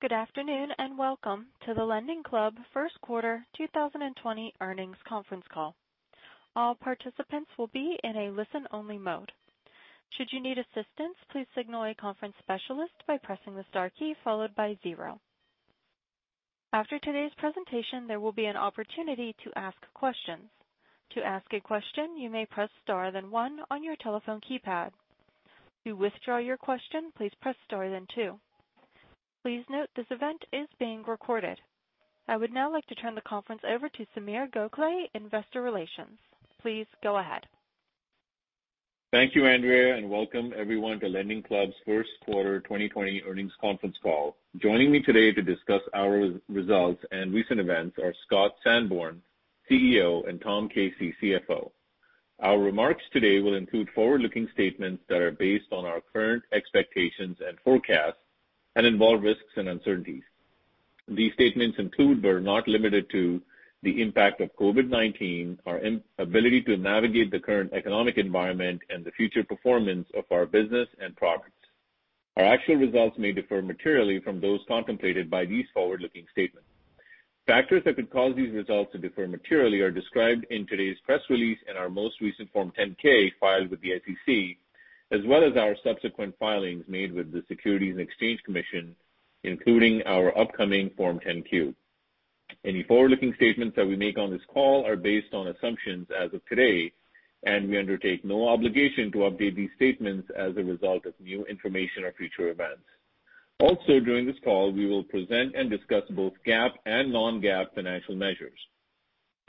Good afternoon and welcome to the LendingClub First Quarter 2020 Earnings Conference Call. All participants will be in a listen-only mode. Should you need assistance, please signal a conference specialist by pressing the star key followed by zero. After today's presentation, there will be an opportunity to ask questions. To ask a question, you may press star then one on your telephone keypad. To withdraw your question, please press star then two. Please note this event is being recorded. I would now like to turn the conference over to Sameer Gokhale, Investor Relations. Please go ahead. Thank you, Andrea, and welcome everyone to LendingClub's First Quarter 2020 Earnings Conference Call. Joining me today to discuss our results and recent events are Scott Sanborn, CEO, and Tom Casey, CFO. Our remarks today will include forward-looking statements that are based on our current expectations and forecasts and involve risks and uncertainties. These statements include, but are not limited to, the impact of COVID-19, our ability to navigate the current economic environment, and the future performance of our business and profits. Our actual results may differ materially from those contemplated by these forward-looking statements. Factors that could cause these results to differ materially are described in today's press release and our most recent Form 10-K filed with the SEC, as well as our subsequent filings made with the Securities and Exchange Commission, including our upcoming Form 10-Q. Any forward-looking statements that we make on this call are based on assumptions as of today, and we undertake no obligation to update these statements as a result of new information or future events. Also, during this call, we will present and discuss both GAAP and non-GAAP financial measures.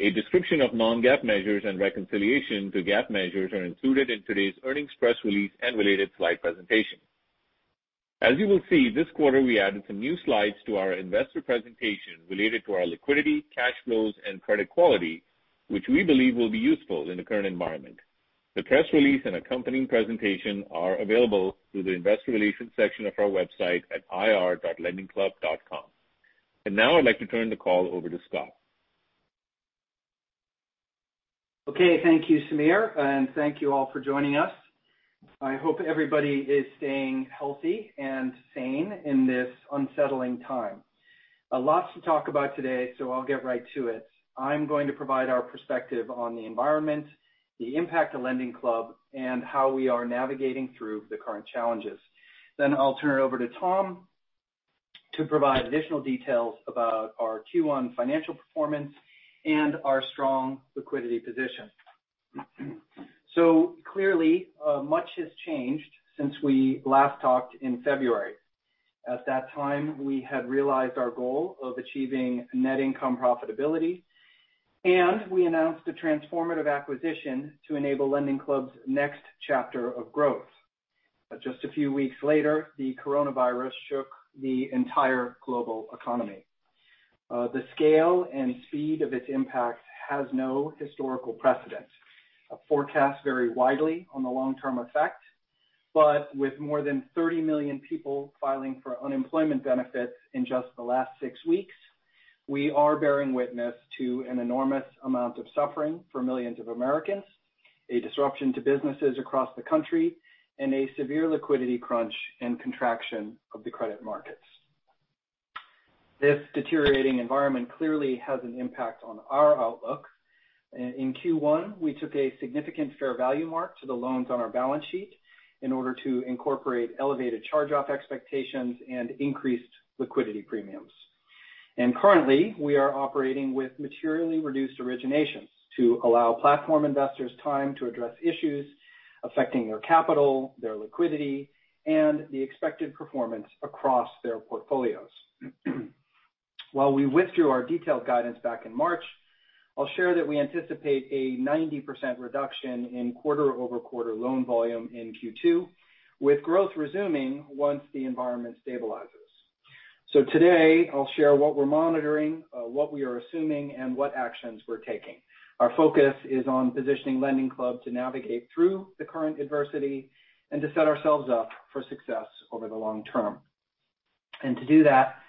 A description of non-GAAP measures and reconciliation to GAAP measures are included in today's earnings press release and related slide presentation. As you will see, this quarter we added some new slides to our investor presentation related to our liquidity, cash flows, and credit quality, which we believe will be useful in the current environment. The press release and accompanying presentation are available through the Investor Relations section of our website at ir.lendingclub.com. Now I'd like to turn the call over to Scott. Okay, thank you, Sameer, and thank you all for joining us. I hope everybody is staying healthy and sane in this unsettling time. Lots to talk about today, so I'll get right to it. I'm going to provide our perspective on the environment, the impact on LendingClub, and how we are navigating through the current challenges. I will turn it over to Tom to provide additional details about our Q1 financial performance and our strong liquidity position. Clearly, much has changed since we last talked in February. At that time, we had realized our goal of achieving net income profitability, and we announced a transformative acquisition to enable LendingClub's next chapter of growth. Just a few weeks later, the coronavirus shook the entire global economy. The scale and speed of its impact has no historical precedent. Forecasts vary widely on the long-term effect, but with more than 30 million people filing for unemployment benefits in just the last six weeks, we are bearing witness to an enormous amount of suffering for millions of Americans, a disruption to businesses across the country, and a severe liquidity crunch and contraction of the credit markets. This deteriorating environment clearly has an impact on our outlook. In Q1, we took a significant fair value mark to the loans on our balance sheet in order to incorporate elevated charge-off expectations and increased liquidity premiums. Currently, we are operating with materially reduced originations to allow platform investors time to address issues affecting their capital, their liquidity, and the expected performance across their portfolios. While we withdrew our detailed guidance back in March, I'll share that we anticipate a 90% reduction in quarter-over-quarter loan volume in Q2, with growth resuming once the environment stabilizes. Today, I'll share what we're monitoring, what we are assuming, and what actions we're taking. Our focus is on positioning LendingClub to navigate through the current adversity and to set ourselves up for success over the long term. To do that,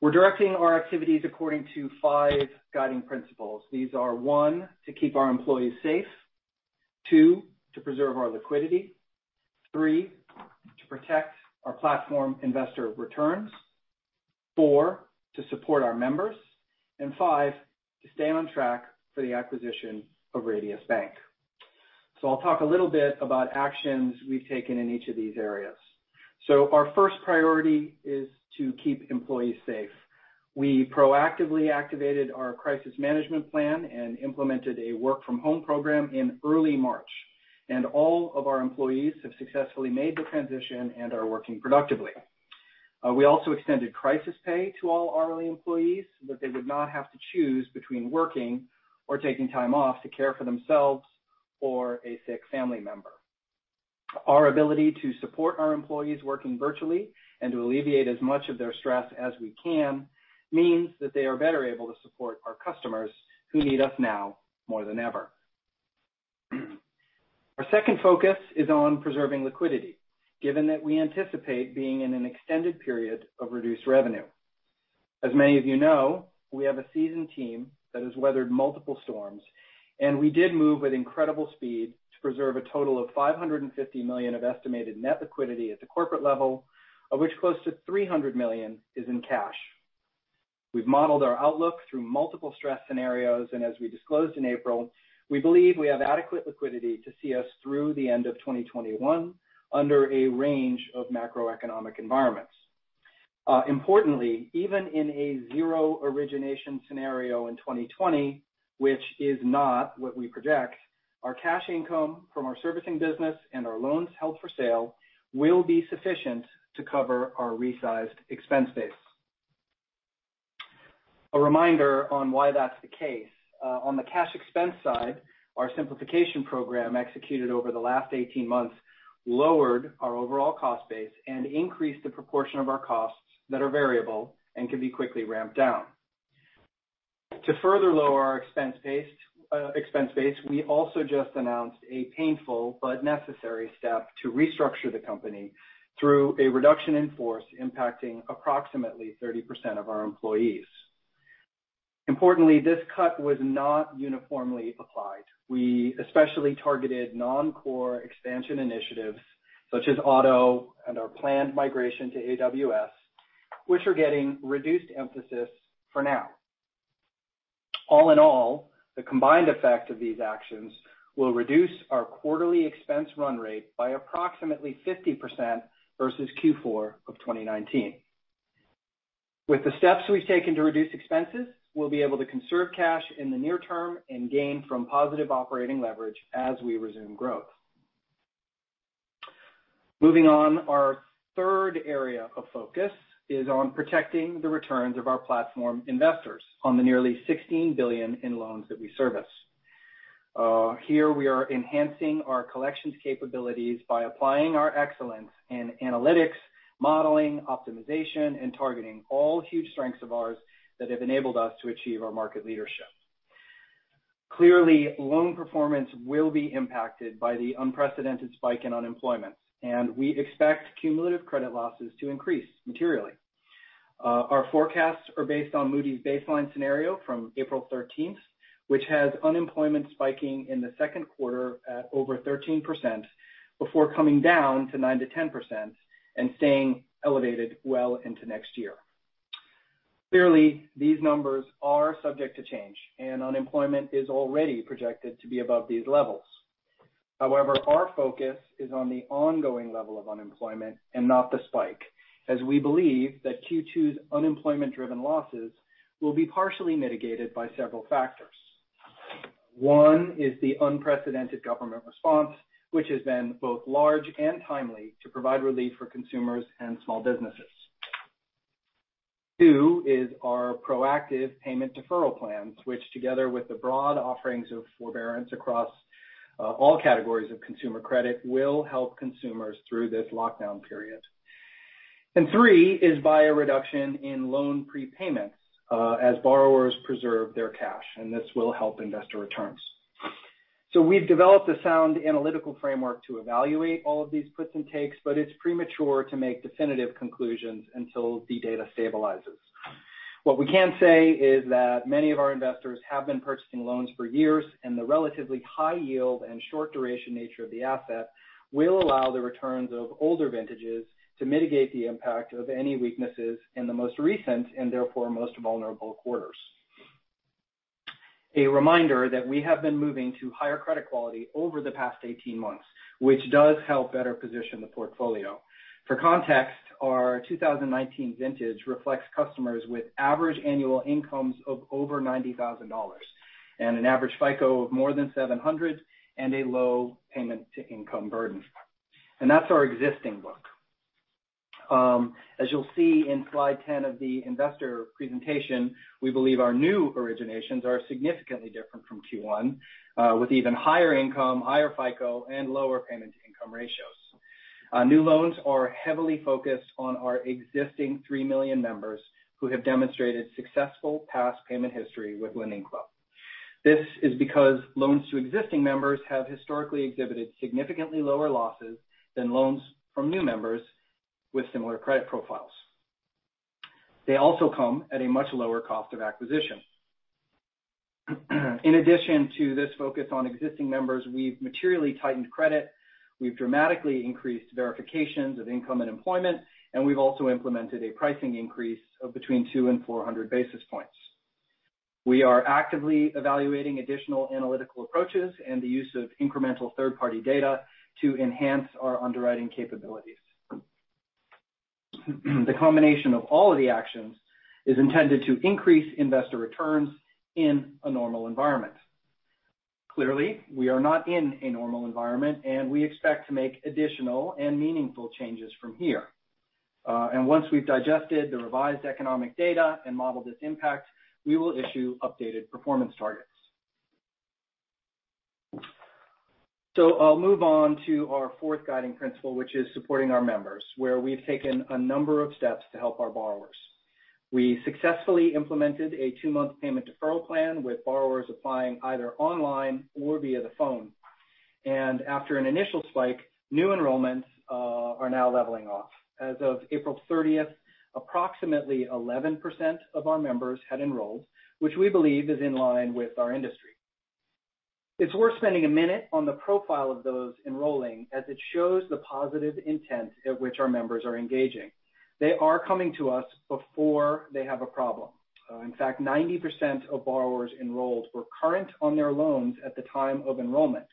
we're directing our activities according to five guiding principles. These are: one, to keep our employees safe; two, to preserve our liquidity; three, to protect our platform investor returns; four, to support our members; and five, to stay on track for the acquisition of Radius Bank. I'll talk a little bit about actions we've taken in each of these areas. Our first priority is to keep employees safe. We proactively activated our crisis management plan and implemented a work-from-home program in early March, and all of our employees have successfully made the transition and are working productively. We also extended crisis pay to all hourly employees so that they would not have to choose between working or taking time off to care for themselves or a sick family member. Our ability to support our employees working virtually and to alleviate as much of their stress as we can means that they are better able to support our customers who need us now more than ever. Our second focus is on preserving liquidity, given that we anticipate being in an extended period of reduced revenue. As many of you know, we have a seasoned team that has weathered multiple storms, and we did move with incredible speed to preserve a total of $550 million of estimated net liquidity at the corporate level, of which close to $300 million is in cash. We've modeled our outlook through multiple stress scenarios, and as we disclosed in April, we believe we have adequate liquidity to see us through the end of 2021 under a range of macroeconomic environments. Importantly, even in a zero origination scenario in 2020, which is not what we project, our cash income from our servicing business and our loans held for sale will be sufficient to cover our resized expense base. A reminder on why that's the case: on the cash expense side, our simplification program executed over the last 18 months lowered our overall cost base and increased the proportion of our costs that are variable and can be quickly ramped down. To further lower our expense base, we also just announced a painful but necessary step to restructure the company through a reduction in force impacting approximately 30% of our employees. Importantly, this cut was not uniformly applied. We especially targeted non-core expansion initiatives such as auto and our planned migration to AWS, which are getting reduced emphasis for now. All in all, the combined effect of these actions will reduce our quarterly expense run rate by approximately 50% versus Q4 of 2019. With the steps we've taken to reduce expenses, we'll be able to conserve cash in the near term and gain from positive operating leverage as we resume growth. Moving on, our third area of focus is on protecting the returns of our platform investors on the nearly $16 billion in loans that we service. Here, we are enhancing our collections capabilities by applying our excellence in analytics, modeling, optimization, and targeting, all huge strengths of ours that have enabled us to achieve our market leadership. Clearly, loan performance will be impacted by the unprecedented spike in unemployment, and we expect cumulative credit losses to increase materially. Our forecasts are based on Moody's baseline scenario from April 13, which has unemployment spiking in the second quarter at over 13% before coming down to 9-10% and staying elevated well into next year. Clearly, these numbers are subject to change, and unemployment is already projected to be above these levels. However, our focus is on the ongoing level of unemployment and not the spike, as we believe that Q2's unemployment-driven losses will be partially mitigated by several factors. One is the unprecedented government response, which has been both large and timely to provide relief for consumers and small businesses. Two is our proactive payment deferral plans, which, together with the broad offerings of forbearance across all categories of consumer credit, will help consumers through this lockdown period. Three is by a reduction in loan prepayments as borrowers preserve their cash, and this will help investor returns. We have developed a sound analytical framework to evaluate all of these puts and takes, but it is premature to make definitive conclusions until the data stabilizes. What we can say is that many of our investors have been purchasing loans for years, and the relatively high yield and short-duration nature of the asset will allow the returns of older vintages to mitigate the impact of any weaknesses in the most recent and therefore most vulnerable quarters. A reminder that we have been moving to higher credit quality over the past 18 months, which does help better position the portfolio. For context, our 2019 vintage reflects customers with average annual incomes of over $90,000 and an average FICO of more than 700 and a low payment-to-income burden. That is our existing look. As you'll see in slide 10 of the investor presentation, we believe our new originations are significantly different from Q1, with even higher income, higher FICO, and lower payment-to-income ratios. New loans are heavily focused on our existing three million members who have demonstrated successful past payment history with LendingClub. This is because loans to existing members have historically exhibited significantly lower losses than loans from new members with similar credit profiles. They also come at a much lower cost of acquisition. In addition to this focus on existing members, we have materially tightened credit, we have dramatically increased verifications of income and employment, and we have also implemented a pricing increase of between two and 400 basis points. We are actively evaluating additional analytical approaches and the use of incremental third-party data to enhance our underwriting capabilities. The combination of all of the actions is intended to increase investor returns in a normal environment. Clearly, we are not in a normal environment, and we expect to make additional and meaningful changes from here. Once we've digested the revised economic data and modeled this impact, we will issue updated performance targets. I'll move on to our fourth guiding principle, which is supporting our members, where we've taken a number of steps to help our borrowers. We successfully implemented a two-month payment deferral plan with borrowers applying either online or via the phone. After an initial spike, new enrollments are now leveling off. As of April 30th, approximately 11% of our members had enrolled, which we believe is in line with our industry. It's worth spending a minute on the profile of those enrolling, as it shows the positive intent at which our members are engaging. They are coming to us before they have a problem. In fact, 90% of borrowers enrolled were current on their loans at the time of enrollment,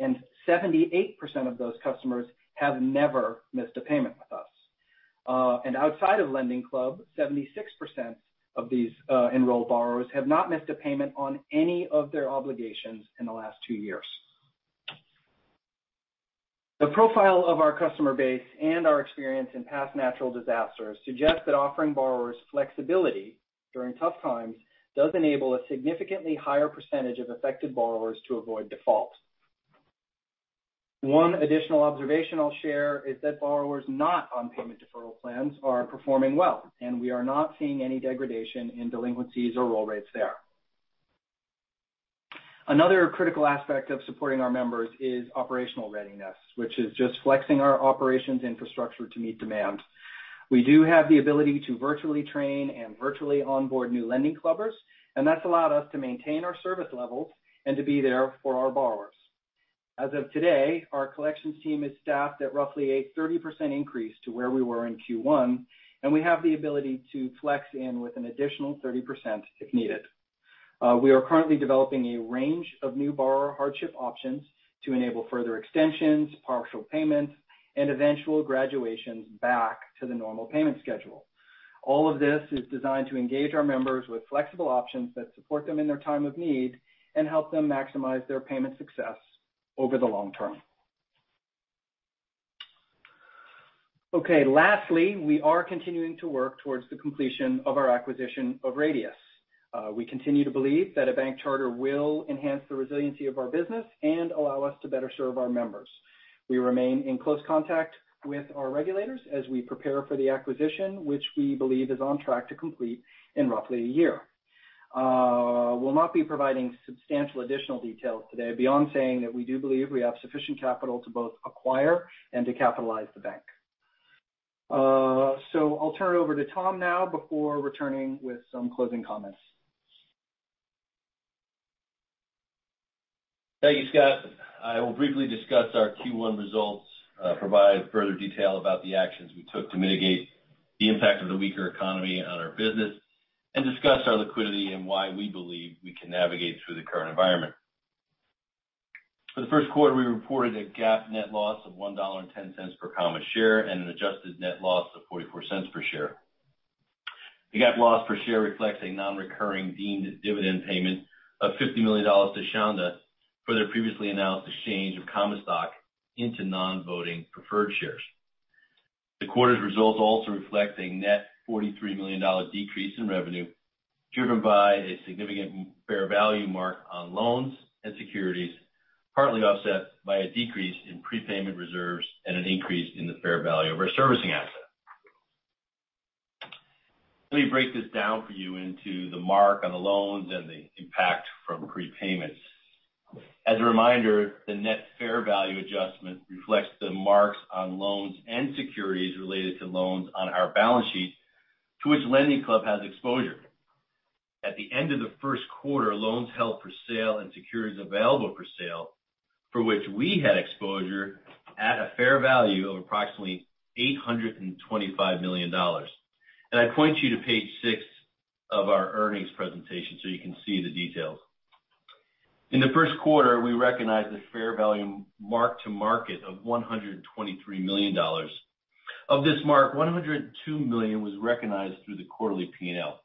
and 78% of those customers have never missed a payment with us. Outside of LendingClub, 76% of these enrolled borrowers have not missed a payment on any of their obligations in the last two years. The profile of our customer base and our experience in past natural disasters suggests that offering borrowers flexibility during tough times does enable a significantly higher percentage of affected borrowers to avoid default. One additional observation I'll share is that borrowers not on payment deferral plans are performing well, and we are not seeing any degradation in delinquencies or roll rates there. Another critical aspect of supporting our members is operational readiness, which is just flexing our operations infrastructure to meet demand. We do have the ability to virtually train and virtually onboard new LendingClubbers, and that's allowed us to maintain our service levels and to be there for our borrowers. As of today, our collections team is staffed at roughly a 30% increase to where we were in Q1, and we have the ability to flex in with an additional 30% if needed. We are currently developing a range of new borrower hardship options to enable further extensions, partial payments, and eventual graduations back to the normal payment schedule. All of this is designed to engage our members with flexible options that support them in their time of need and help them maximize their payment success over the long term. Okay, lastly, we are continuing to work towards the completion of our acquisition of Radius. We continue to believe that a bank charter will enhance the resiliency of our business and allow us to better serve our members. We remain in close contact with our regulators as we prepare for the acquisition, which we believe is on track to complete in roughly a year. We will not be providing substantial additional details today beyond saying that we do believe we have sufficient capital to both acquire and to capitalize the bank. I will turn it over to Tom now before returning with some closing comments. Thank you, Scott. I will briefly discuss our Q1 results, provide further detail about the actions we took to mitigate the impact of the weaker economy on our business, and discuss our liquidity and why we believe we can navigate through the current environment. For the first quarter, we reported a GAAP net loss of $1.10 per share and an adjusted net loss of $0.44 per share. The GAAP loss per share reflects a non-recurring deemed dividend payment of $50 million to Shanda for their previously announced exchange of stock into non-voting preferred shares. The quarter's results also reflect a net $43 million decrease in revenue driven by a significant fair value mark on loans and securities, partly offset by a decrease in prepayment reserves and an increase in the fair value of our servicing asset. Let me break this down for you into the mark on the loans and the impact from prepayments. As a reminder, the net fair value adjustment reflects the marks on loans and securities related to loans on our balance sheet to which LendingClub has exposure. At the end of the first quarter, loans held for sale and securities available for sale for which we had exposure at a fair value of approximately $825 million. I point you to page six of our earnings presentation so you can see the details. In the first quarter, we recognized the fair value mark to market of $123 million. Of this mark, $102 million was recognized through the quarterly P&L.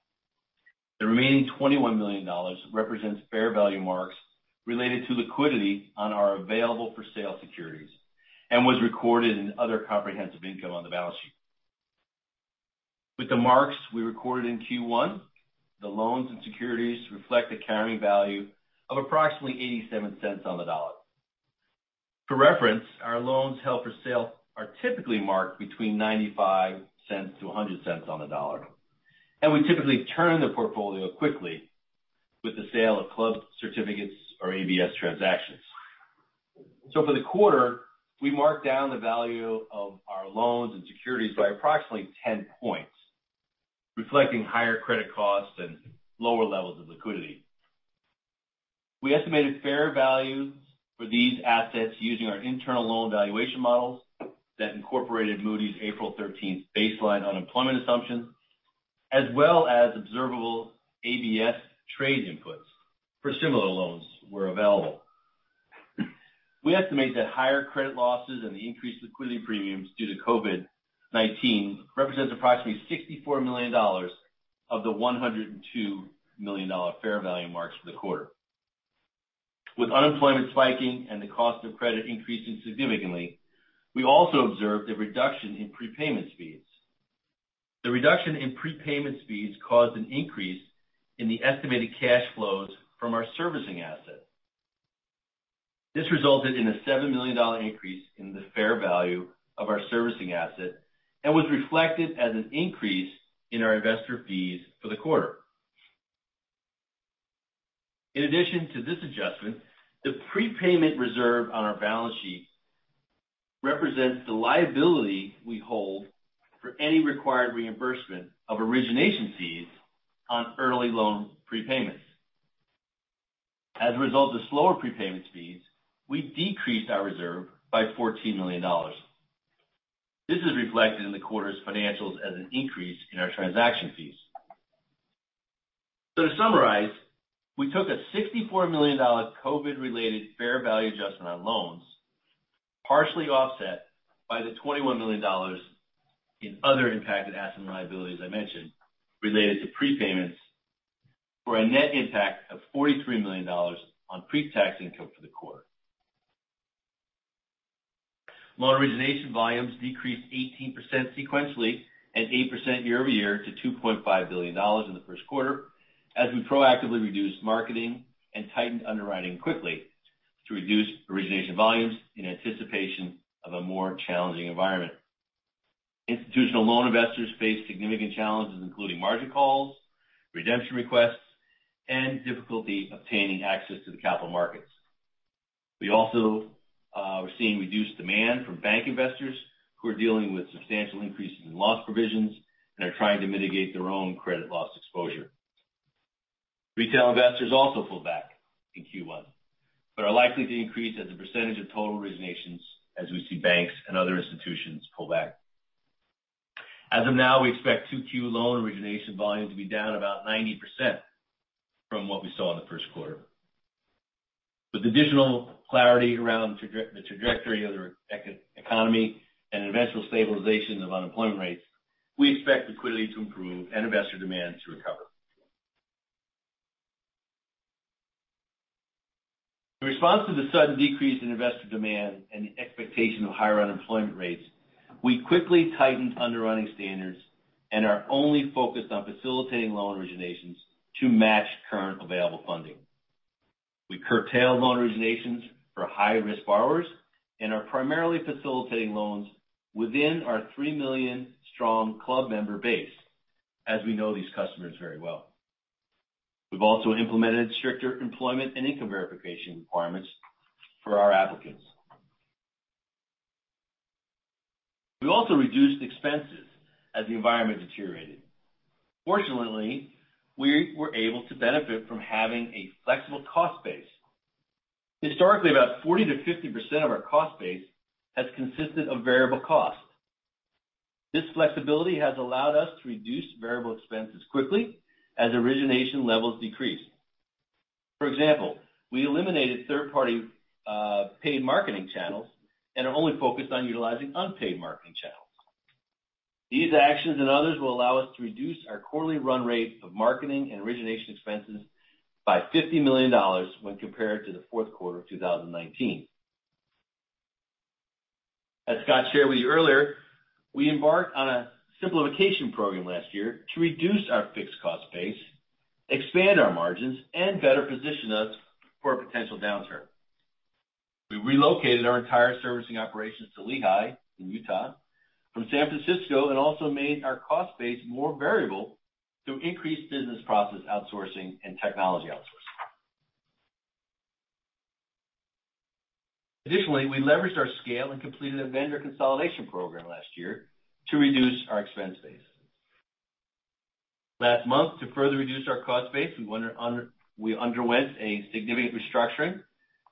The remaining $21 million represents fair value marks related to liquidity on our available for sale securities and was recorded in other comprehensive income on the balance sheet. With the marks we recorded in Q1, the loans and securities reflect a carrying value of approximately $0.87 on the dollar. For reference, our loans held for sale are typically marked between $0.95 to $0.00 on the dollar, and we typically turn the portfolio quickly with the sale of Club Certificates or ABS transactions. For the quarter, we marked down the value of our loans and securities by approximately 10 points, reflecting higher credit costs and lower levels of liquidity. We estimated fair values for these assets using our internal loan valuation models that incorporated Moody's April 13 baseline unemployment assumptions, as well as observable ABS trade inputs for similar loans where available. We estimate that higher credit losses and the increased liquidity premiums due to COVID-19 represent approximately $64 million of the $102 million fair value marks for the quarter. With unemployment spiking and the cost of credit increasing significantly, we also observed a reduction in prepayment speeds. The reduction in prepayment speeds caused an increase in the estimated cash flows from our servicing asset. This resulted in a $7 million increase in the fair value of our servicing asset and was reflected as an increase in our investor fees for the quarter. In addition to this adjustment, the prepayment reserve on our balance sheet represents the liability we hold for any required reimbursement of origination fees on early loan prepayments. As a result of slower prepayment speeds, we decreased our reserve by $14 million. This is reflected in the quarter's financials as an increase in our transaction fees. To summarize, we took a $64 million COVID-related fair value adjustment on loans, partially offset by the $21 million in other impacted asset liabilities I mentioned related to prepayments, for a net impact of $43 million on pre-tax income for the quarter. Loan origination volumes decreased 18% sequentially and 8% year over year to $2.5 billion in the first quarter as we proactively reduced marketing and tightened underwriting quickly to reduce origination volumes in anticipation of a more challenging environment. Institutional loan investors faced significant challenges, including margin calls, redemption requests, and difficulty obtaining access to the capital markets. We also were seeing reduced demand from bank investors who are dealing with substantial increases in loss provisions and are trying to mitigate their own credit loss exposure. Retail investors also pulled back in Q1, but are likely to increase as a percentage of total originations as we see banks and other institutions pull back. As of now, we expect Q2 loan origination volume to be down about 90% from what we saw in the first quarter. With additional clarity around the trajectory of the economy and eventual stabilization of unemployment rates, we expect liquidity to improve and investor demand to recover. In response to the sudden decrease in investor demand and the expectation of higher unemployment rates, we quickly tightened underwriting standards and are only focused on facilitating loan originations to match current available funding. We curtailed loan originations for high-risk borrowers and are primarily facilitating loans within our 3 million strong Club member base, as we know these customers very well. We've also implemented stricter employment and income verification requirements for our applicants. We also reduced expenses as the environment deteriorated. Fortunately, we were able to benefit from having a flexible cost base. Historically, about 40-50% of our cost base has consisted of variable cost. This flexibility has allowed us to reduce variable expenses quickly as origination levels decreased. For example, we eliminated third-party paid marketing channels and are only focused on utilizing unpaid marketing channels. These actions and others will allow us to reduce our quarterly run rate of marketing and origination expenses by $50 million when compared to the fourth quarter of 2019. As Scott shared with you earlier, we embarked on a simplification program last year to reduce our fixed cost base, expand our margins, and better position us for a potential downturn. We relocated our entire servicing operations to Lehi, Utah, from San Francisco, and also made our cost base more variable through increased business process outsourcing and technology outsourcing. Additionally, we leveraged our scale and completed a vendor consolidation program last year to reduce our expense base. Last month, to further reduce our cost base, we underwent a significant restructuring,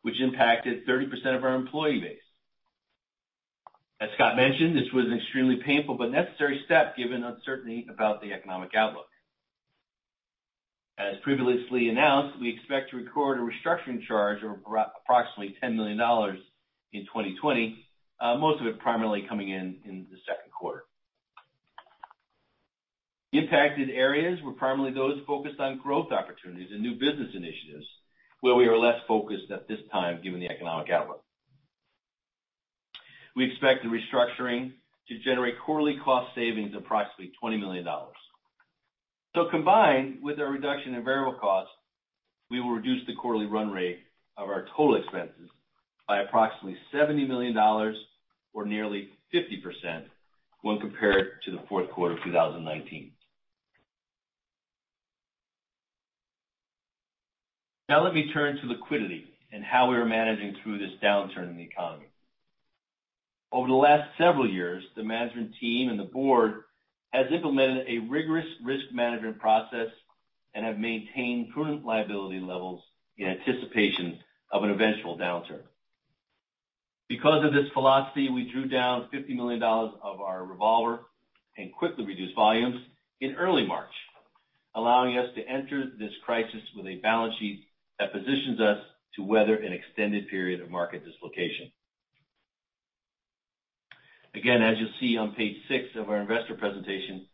which impacted 30% of our employee base. As Scott mentioned, this was an extremely painful but necessary step given uncertainty about the economic outlook. As previously announced, we expect to record a restructuring charge of approximately $10 million in 2020, most of it primarily coming in in the second quarter. Impacted areas were primarily those focused on growth opportunities and new business initiatives, where we are less focused at this time given the economic outlook. We expect the restructuring to generate quarterly cost savings of approximately $20 million. Combined with our reduction in variable cost, we will reduce the quarterly run rate of our total expenses by approximately $70 million, or nearly 50%, when compared to the fourth quarter of 2019. Now let me turn to liquidity and how we are managing through this downturn in the economy. Over the last several years, the management team and the board have implemented a rigorous risk management process and have maintained prudent liability levels in anticipation of an eventual downturn. Because of this philosophy, we drew down $50 million of our revolver and quickly reduced volumes in early March, allowing us to enter this crisis with a balance sheet that positions us to weather an extended period of market dislocation. Again, as you'll see on page six of our investor presentation,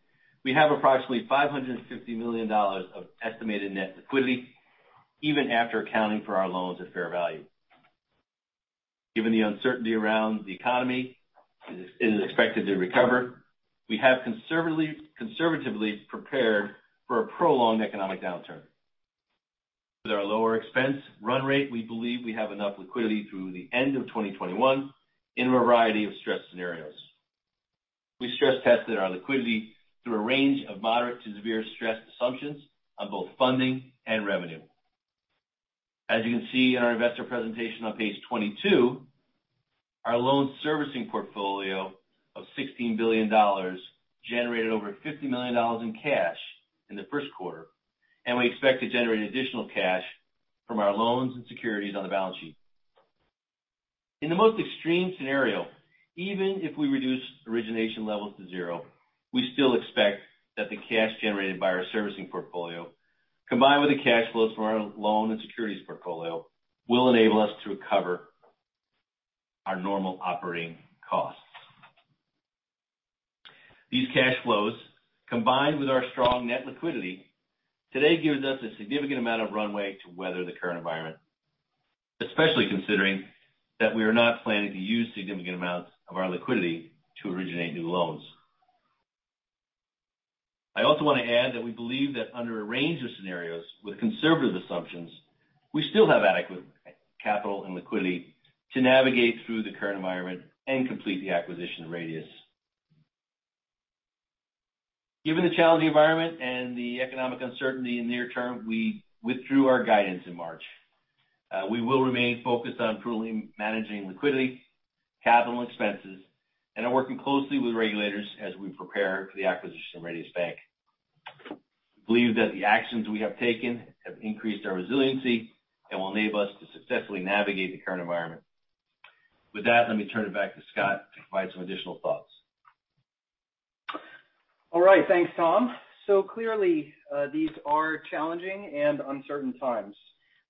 we have approximately $550 million of estimated net liquidity, even after accounting for our loans at fair value. Given the uncertainty around the economy, it is expected to recover. We have conservatively prepared for a prolonged economic downturn. With our lower expense run rate, we believe we have enough liquidity through the end of 2021 in a variety of stress scenarios. We stress tested our liquidity through a range of moderate to severe stress assumptions on both funding and revenue. As you can see in our investor presentation on page 22, our loan servicing portfolio of $16 billion generated over $50 million in cash in the first quarter, and we expect to generate additional cash from our loans and securities on the balance sheet. In the most extreme scenario, even if we reduce origination levels to zero, we still expect that the cash generated by our servicing portfolio, combined with the cash flows from our loan and securities portfolio, will enable us to recover our normal operating costs. These cash flows, combined with our strong net liquidity, today give us a significant amount of runway to weather the current environment, especially considering that we are not planning to use significant amounts of our liquidity to originate new loans. I also want to add that we believe that under a range of scenarios with conservative assumptions, we still have adequate capital and liquidity to navigate through the current environment and complete the acquisition of Radius. Given the challenging environment and the economic uncertainty in the near term, we withdrew our guidance in March. We will remain focused on prudently managing liquidity, capital, expenses, and are working closely with regulators as we prepare for the acquisition of Radius Bank. We believe that the actions we have taken have increased our resiliency and will enable us to successfully navigate the current environment. With that, let me turn it back to Scott to provide some additional thoughts. All right. Thanks, Tom. Clearly, these are challenging and uncertain times.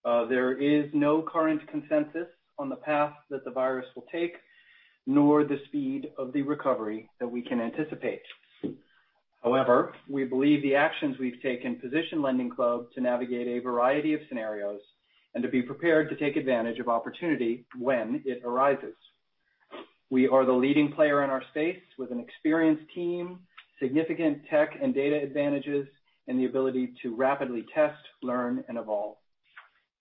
There is no current consensus on the path that the virus will take, nor the speed of the recovery that we can anticipate. However, we believe the actions we've taken position LendingClub to navigate a variety of scenarios and to be prepared to take advantage of opportunity when it arises. We are the leading player in our space with an experienced team, significant tech and data advantages, and the ability to rapidly test, learn, and evolve.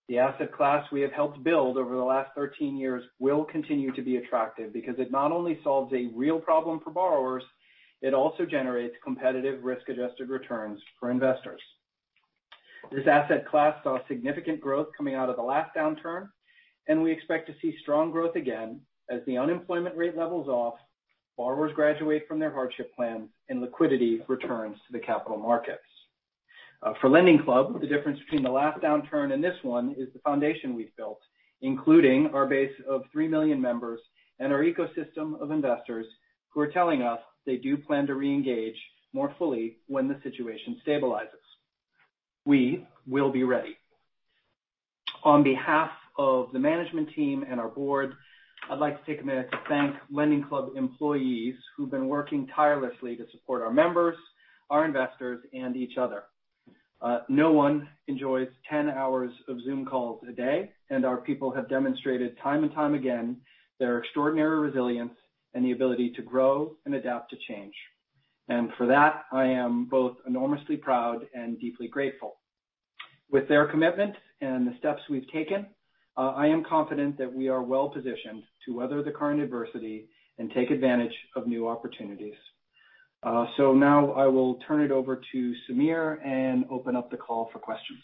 The asset class we have helped build over the last 13 years will continue to be attractive because it not only solves a real problem for borrowers, it also generates competitive risk-adjusted returns for investors. This asset class saw significant growth coming out of the last downturn, and we expect to see strong growth again as the unemployment rate levels off, borrowers graduate from their hardship plans, and liquidity returns to the capital markets. For LendingClub, the difference between the last downturn and this one is the foundation we've built, including our base of 3 million members and our ecosystem of investors who are telling us they do plan to reengage more fully when the situation stabilizes. We will be ready. On behalf of the management team and our board, I'd like to take a minute to thank LendingClub employees who've been working tirelessly to support our members, our investors, and each other. No one enjoys 10 hours of Zoom calls a day, and our people have demonstrated time and time again their extraordinary resilience and the ability to grow and adapt to change. For that, I am both enormously proud and deeply grateful. With their commitment and the steps we have taken, I am confident that we are well positioned to weather the current adversity and take advantage of new opportunities. I will now turn it over to Sameer and open up the call for questions.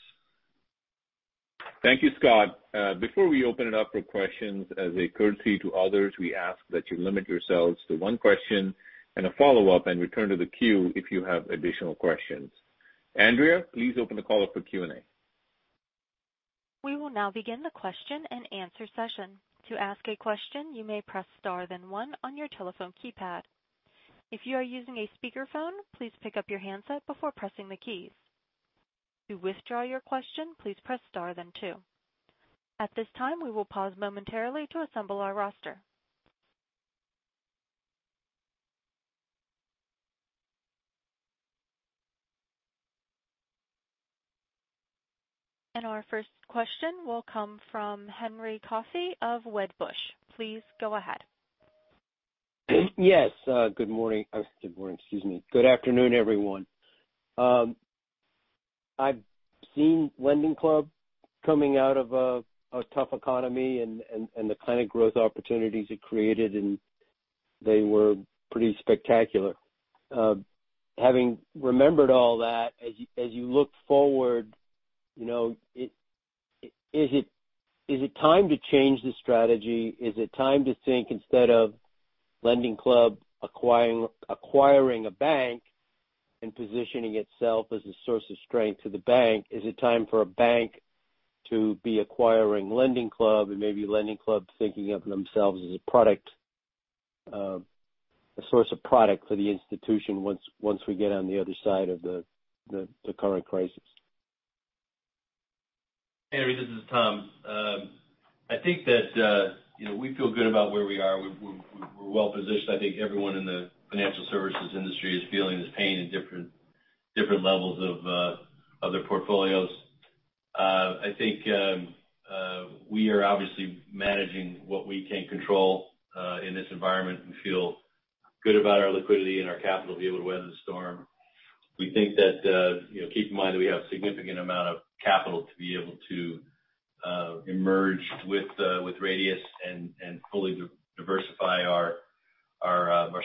Thank you, Scott. Before we open it up for questions, as a courtesy to others, we ask that you limit yourselves to one question and a follow-up and return to the queue if you have additional questions. Andrea, please open the call up for Q&A. We will now begin the question and answer session. To ask a question, you may press star then one on your telephone keypad. If you are using a speakerphone, please pick up your handset before pressing the keys. To withdraw your question, please press star then two. At this time, we will pause momentarily to assemble our roster. Our first question will come from Henry Coffey of Wedbush. Please go ahead. Yes. Good morning. Good afternoon, everyone. I've seen LendingClub coming out of a tough economy and the kind of growth opportunities it created, and they were pretty spectacular. Having remembered all that, as you look forward, is it time to change the strategy? Is it time to think instead of LendingClub acquiring a bank and positioning itself as a source of strength to the bank? Is it time for a bank to be acquiring LendingClub and maybe LendingClub thinking of themselves as a source of product for the institution once we get on the other side of the current crisis? Henry, this is Tom. I think that we feel good about where we are. We're well positioned. I think everyone in the financial services industry is feeling this pain at different levels of their portfolios. I think we are obviously managing what we can control in this environment and feel good about our liquidity and our capital to be able to weather the storm. We think that keep in mind that we have a significant amount of capital to be able to emerge with Radius and fully diversify our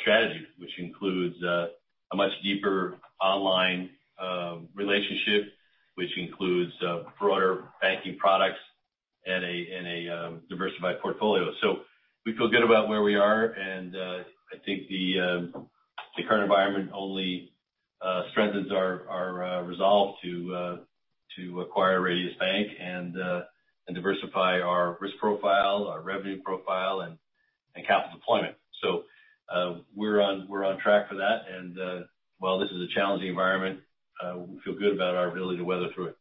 strategy, which includes a much deeper online relationship, which includes broader banking products and a diversified portfolio. We feel good about where we are, and I think the current environment only strengthens our resolve to acquire Radius Bank and diversify our risk profile, our revenue profile, and capital deployment. We're on track for that. While this is a challenging environment, we feel good about our ability to weather through it.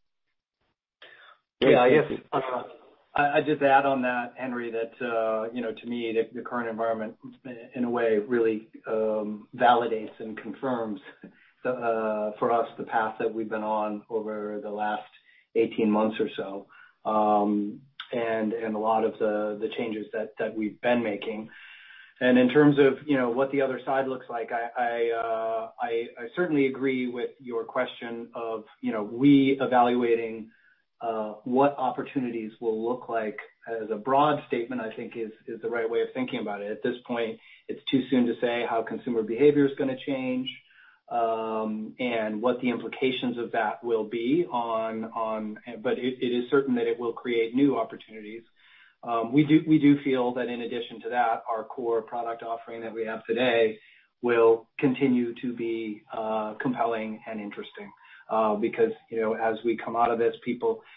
Yeah. I guess I'd just add on that, Henry, that to me, the current environment in a way really validates and confirms for us the path that we've been on over the last 18 months or so and a lot of the changes that we've been making. In terms of what the other side looks like, I certainly agree with your question of we evaluating what opportunities will look like as a broad statement, I think, is the right way of thinking about it. At this point, it's too soon to say how consumer behavior is going to change and what the implications of that will be. It is certain that it will create new opportunities. We do feel that in addition to that, our core product offering that we have today will continue to be compelling and interesting because as we come out of this,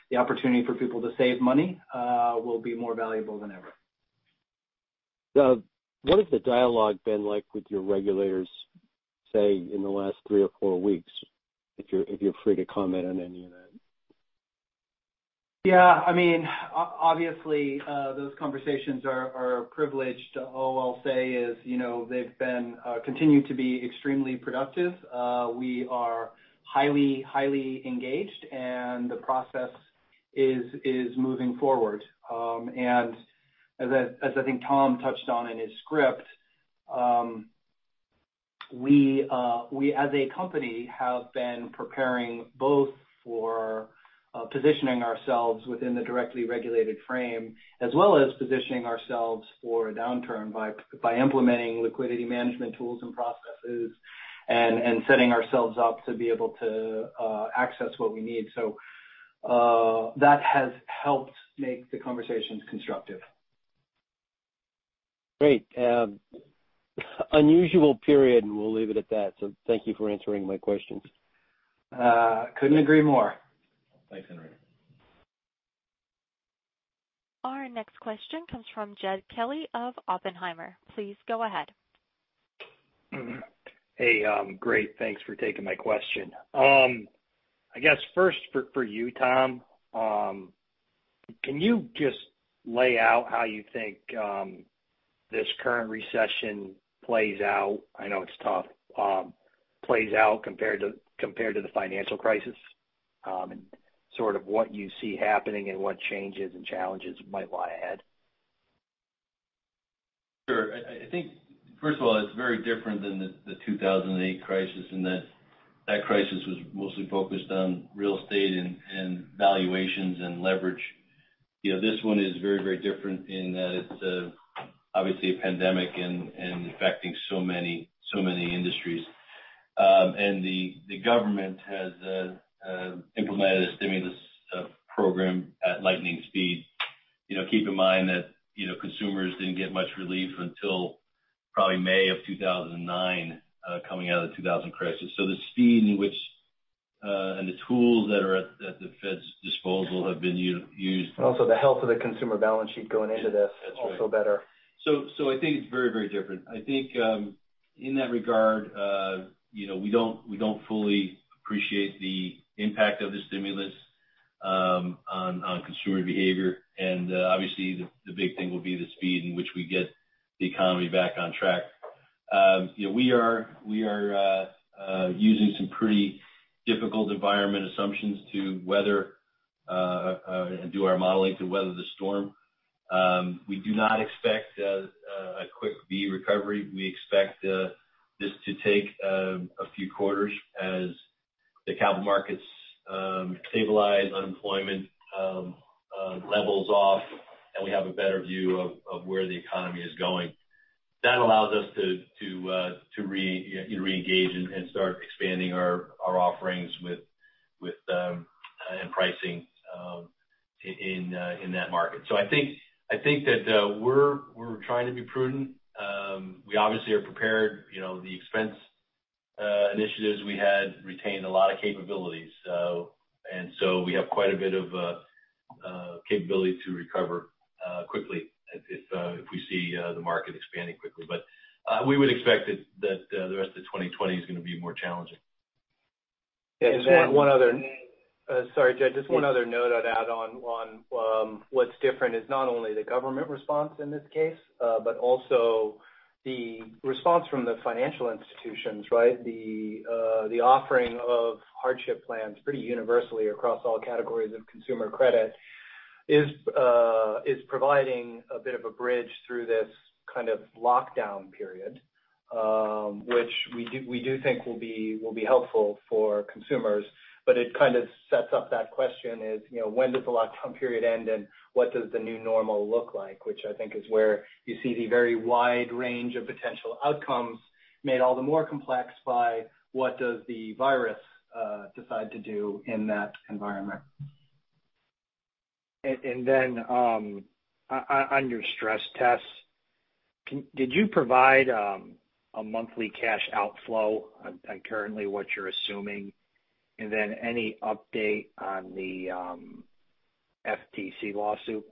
the opportunity for people to save money will be more valuable than ever. What has the dialogue been like with your regulators, say, in the last three or four weeks, if you're free to comment on any of that? Yeah. I mean, obviously, those conversations are privileged. All I'll say is they've continued to be extremely productive. We are highly, highly engaged, and the process is moving forward. As I think Tom touched on in his script, we as a company have been preparing both for positioning ourselves within the directly regulated frame as well as positioning ourselves for a downturn by implementing liquidity management tools and processes and setting ourselves up to be able to access what we need. That has helped make the conversations constructive. Great. Unusual period, and we'll leave it at that. Thank you for answering my questions. Couldn't agree more. Thanks, Henry. Our next question comes from Jed Kelly of Oppenheimer. Please go ahead. Hey. Great. Thanks for taking my question. I guess first for you, Tom, can you just lay out how you think this current recession plays out? I know it's tough. Plays out compared to the financial crisis and sort of what you see happening and what changes and challenges might lie ahead? Sure. I think, first of all, it's very different than the 2008 crisis in that that crisis was mostly focused on real estate and valuations and leverage. This one is very, very different in that it's obviously a pandemic and affecting so many industries. The government has implemented a stimulus program at lightning speed. Keep in mind that consumers didn't get much relief until probably May of 2009 coming out of the 2008 crisis. The speed in which and the tools that are at the Fed's disposal have been used. The health of the consumer balance sheet going into this is also better. I think it's very, very different. I think in that regard, we don't fully appreciate the impact of the stimulus on consumer behavior. Obviously, the big thing will be the speed in which we get the economy back on track. We are using some pretty difficult environment assumptions to weather and do our modeling to weather the storm. We do not expect a quick V recovery. We expect this to take a few quarters as the capital markets stabilize, unemployment levels off, and we have a better view of where the economy is going. That allows us to reengage and start expanding our offerings and pricing in that market. I think that we're trying to be prudent. We obviously are prepared. The expense initiatives we had retained a lot of capabilities. We have quite a bit of capability to recover quickly if we see the market expanding quickly. We would expect that the rest of 2020 is going to be more challenging. Yeah. Sorry, Jed. Just one other note I'd add on what's different is not only the government response in this case, but also the response from the financial institutions, right? The offering of hardship plans pretty universally across all categories of consumer credit is providing a bit of a bridge through this kind of lockdown period, which we do think will be helpful for consumers. It kind of sets up that question, when does the lockdown period end and what does the new normal look like, which I think is where you see the very wide range of potential outcomes made all the more complex by what does the virus decide to do in that environment? And on your stress test, did you provide a monthly cash outflow? Currently, what you're assuming? Any update on the FTC lawsuit?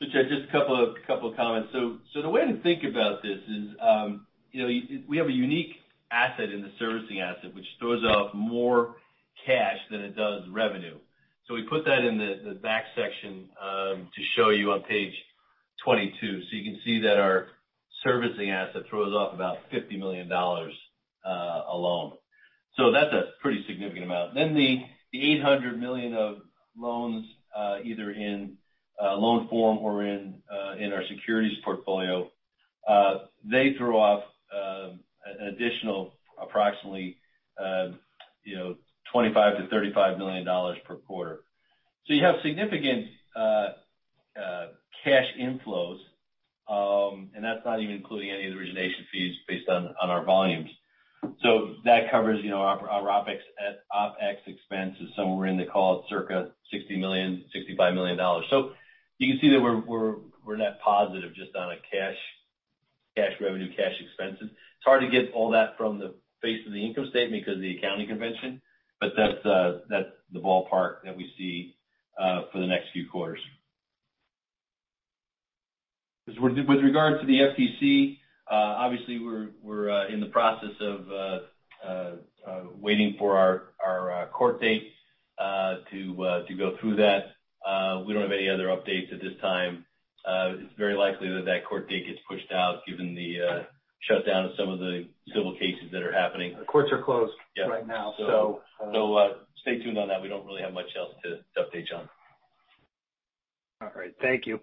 Just a couple of comments. The way to think about this is we have a unique asset in the servicing asset, which throws out more cash than it does revenue. We put that in the back section to show you on page 22. You can see that our servicing asset throws off about $50 million alone. That is a pretty significant amount. The $800 million of loans, either in loan form or in our securities portfolio, throw off an additional approximately $25-$35 million per quarter. You have significant cash inflows, and that is not even including any of the origination fees based on our volumes. That covers our OpEx expenses. We are in the call at circa $60 million-$65 million. You can see that we are net positive just on cash revenue, cash expenses. It's hard to get all that from the face of the income statement because of the accounting convention, but that's the ballpark that we see for the next few quarters. With regard to the FTC, obviously, we're in the process of waiting for our court date to go through that. We don't have any other updates at this time. It's very likely that that court date gets pushed out given the shutdown of some of the civil cases that are happening. The courts are closed right now. Stay tuned on that. We don't really have much else to update, Jed. All right. Thank you.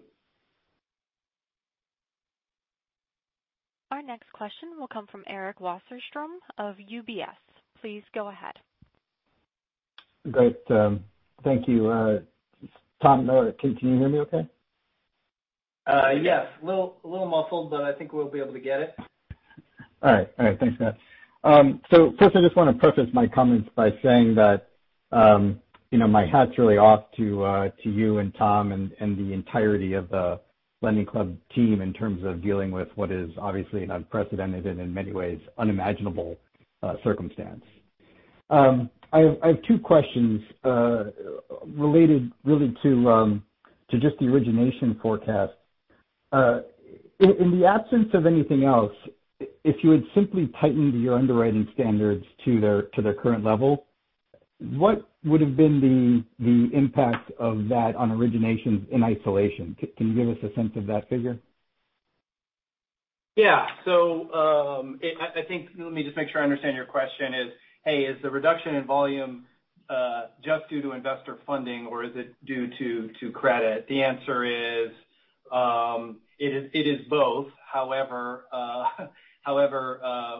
Our next question will come from Eric Wasserstrom of UBS. Please go ahead. Great. Thank you. Tom, can you hear me okay? Yes. A little muffled, but I think we'll be able to get it. All right. All right. Thanks for that. First, I just want to preface my comments by saying that my hat's really off to you and Tom and the entirety of the LendingClub team in terms of dealing with what is obviously an unprecedented and in many ways unimaginable circumstance. I have two questions related really to just the origination forecast. In the absence of anything else, if you would simply tighten your underwriting standards to their current level, what would have been the impact of that on originations in isolation? Can you give us a sense of that figure? Yeah. I think let me just make sure I understand your question. Is the reduction in volume just due to investor funding, or is it due to credit? The answer is it is both. However,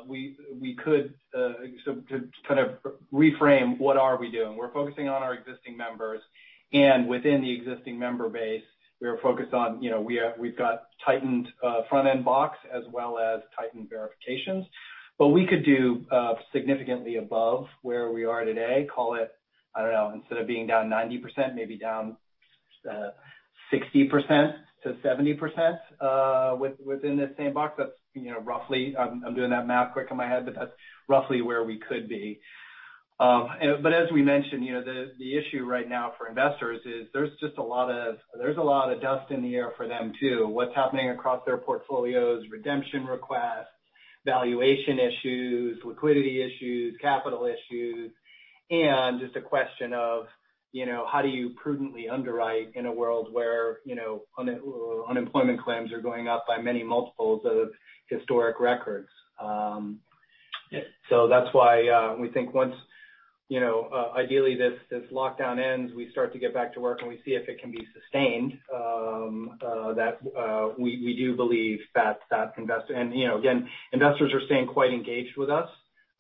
we could kind of reframe what are we doing. We are focusing on our existing members. Within the existing member base, we are focused on—we have tightened front-end box as well as tightened verifications. We could do significantly above where we are today. Call it, I do not know, instead of being down 90%, maybe down 60%-70% within the same box. I am doing that math quick in my head, but that is roughly where we could be. As we mentioned, the issue right now for investors is there is just a lot of—there is a lot of dust in the air for them too. What's happening across their portfolios, redemption requests, valuation issues, liquidity issues, capital issues, and just a question of how do you prudently underwrite in a world where unemployment claims are going up by many multiples of historic records. That is why we think once ideally this lockdown ends, we start to get back to work and we see if it can be sustained. We do believe that that investor, and again, investors are staying quite engaged with us,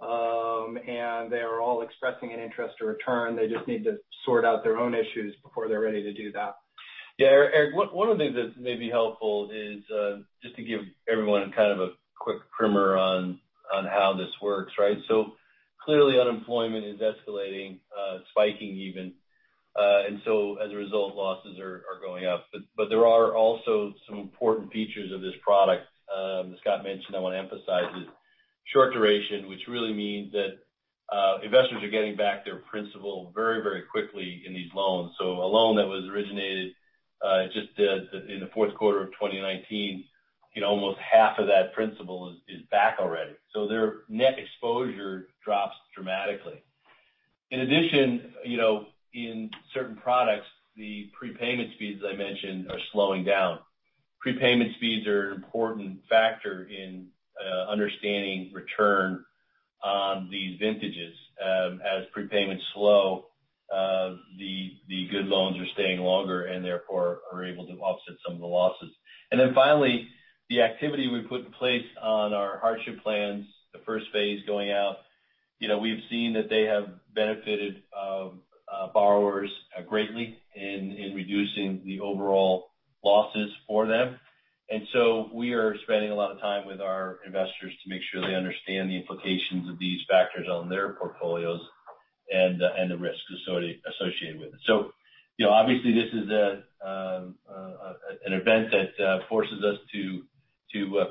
and they are all expressing an interest to return. They just need to sort out their own issues before they're ready to do that. Yeah. One of the things that may be helpful is just to give everyone kind of a quick primer on how this works, right? Clearly, unemployment is escalating, spiking even. As a result, losses are going up. There are also some important features of this product. Scott mentioned I want to emphasize is short duration, which really means that investors are getting back their principal very, very quickly in these loans. A loan that was originated just in the fourth quarter of 2019, almost half of that principal is back already. Their net exposure drops dramatically. In addition, in certain products, the prepayment speeds, as I mentioned, are slowing down. Prepayment speeds are an important factor in understanding return on these vintages. As prepayments slow, the good loans are staying longer and therefore are able to offset some of the losses. The activity we put in place on our hardship plans, the first phase going out, we've seen that they have benefited borrowers greatly in reducing the overall losses for them. We are spending a lot of time with our investors to make sure they understand the implications of these factors on their portfolios and the risks associated with it. Obviously, this is an event that forces us to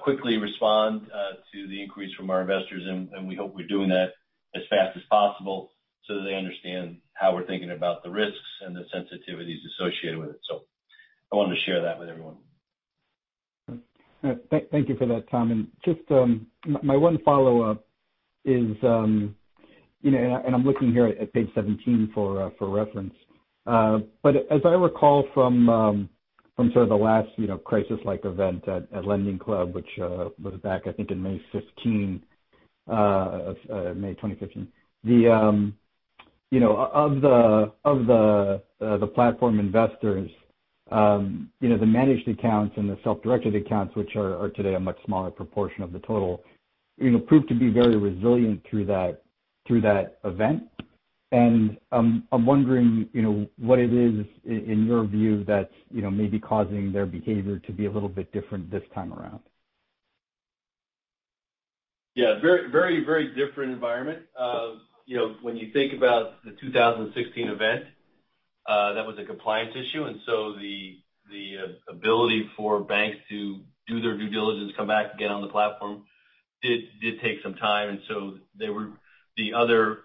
quickly respond to the increase from our investors. We hope we're doing that as fast as possible so that they understand how we're thinking about the risks and the sensitivities associated with it. I wanted to share that with everyone. Thank you for that, Tom. My one follow-up is, and I'm looking here at page 17 for reference. As I recall from sort of the last crisis-like event at LendingClub, which was back, I think, in May 2015, of the platform investors, the managed accounts and the self-directed accounts, which are today a much smaller proportion of the total, proved to be very resilient through that event. I'm wondering what it is in your view that's maybe causing their behavior to be a little bit different this time around. Yeah. Very, very different environment. When you think about the 2016 event, that was a compliance issue. The ability for banks to do their due diligence, come back again on the platform, did take some time. The other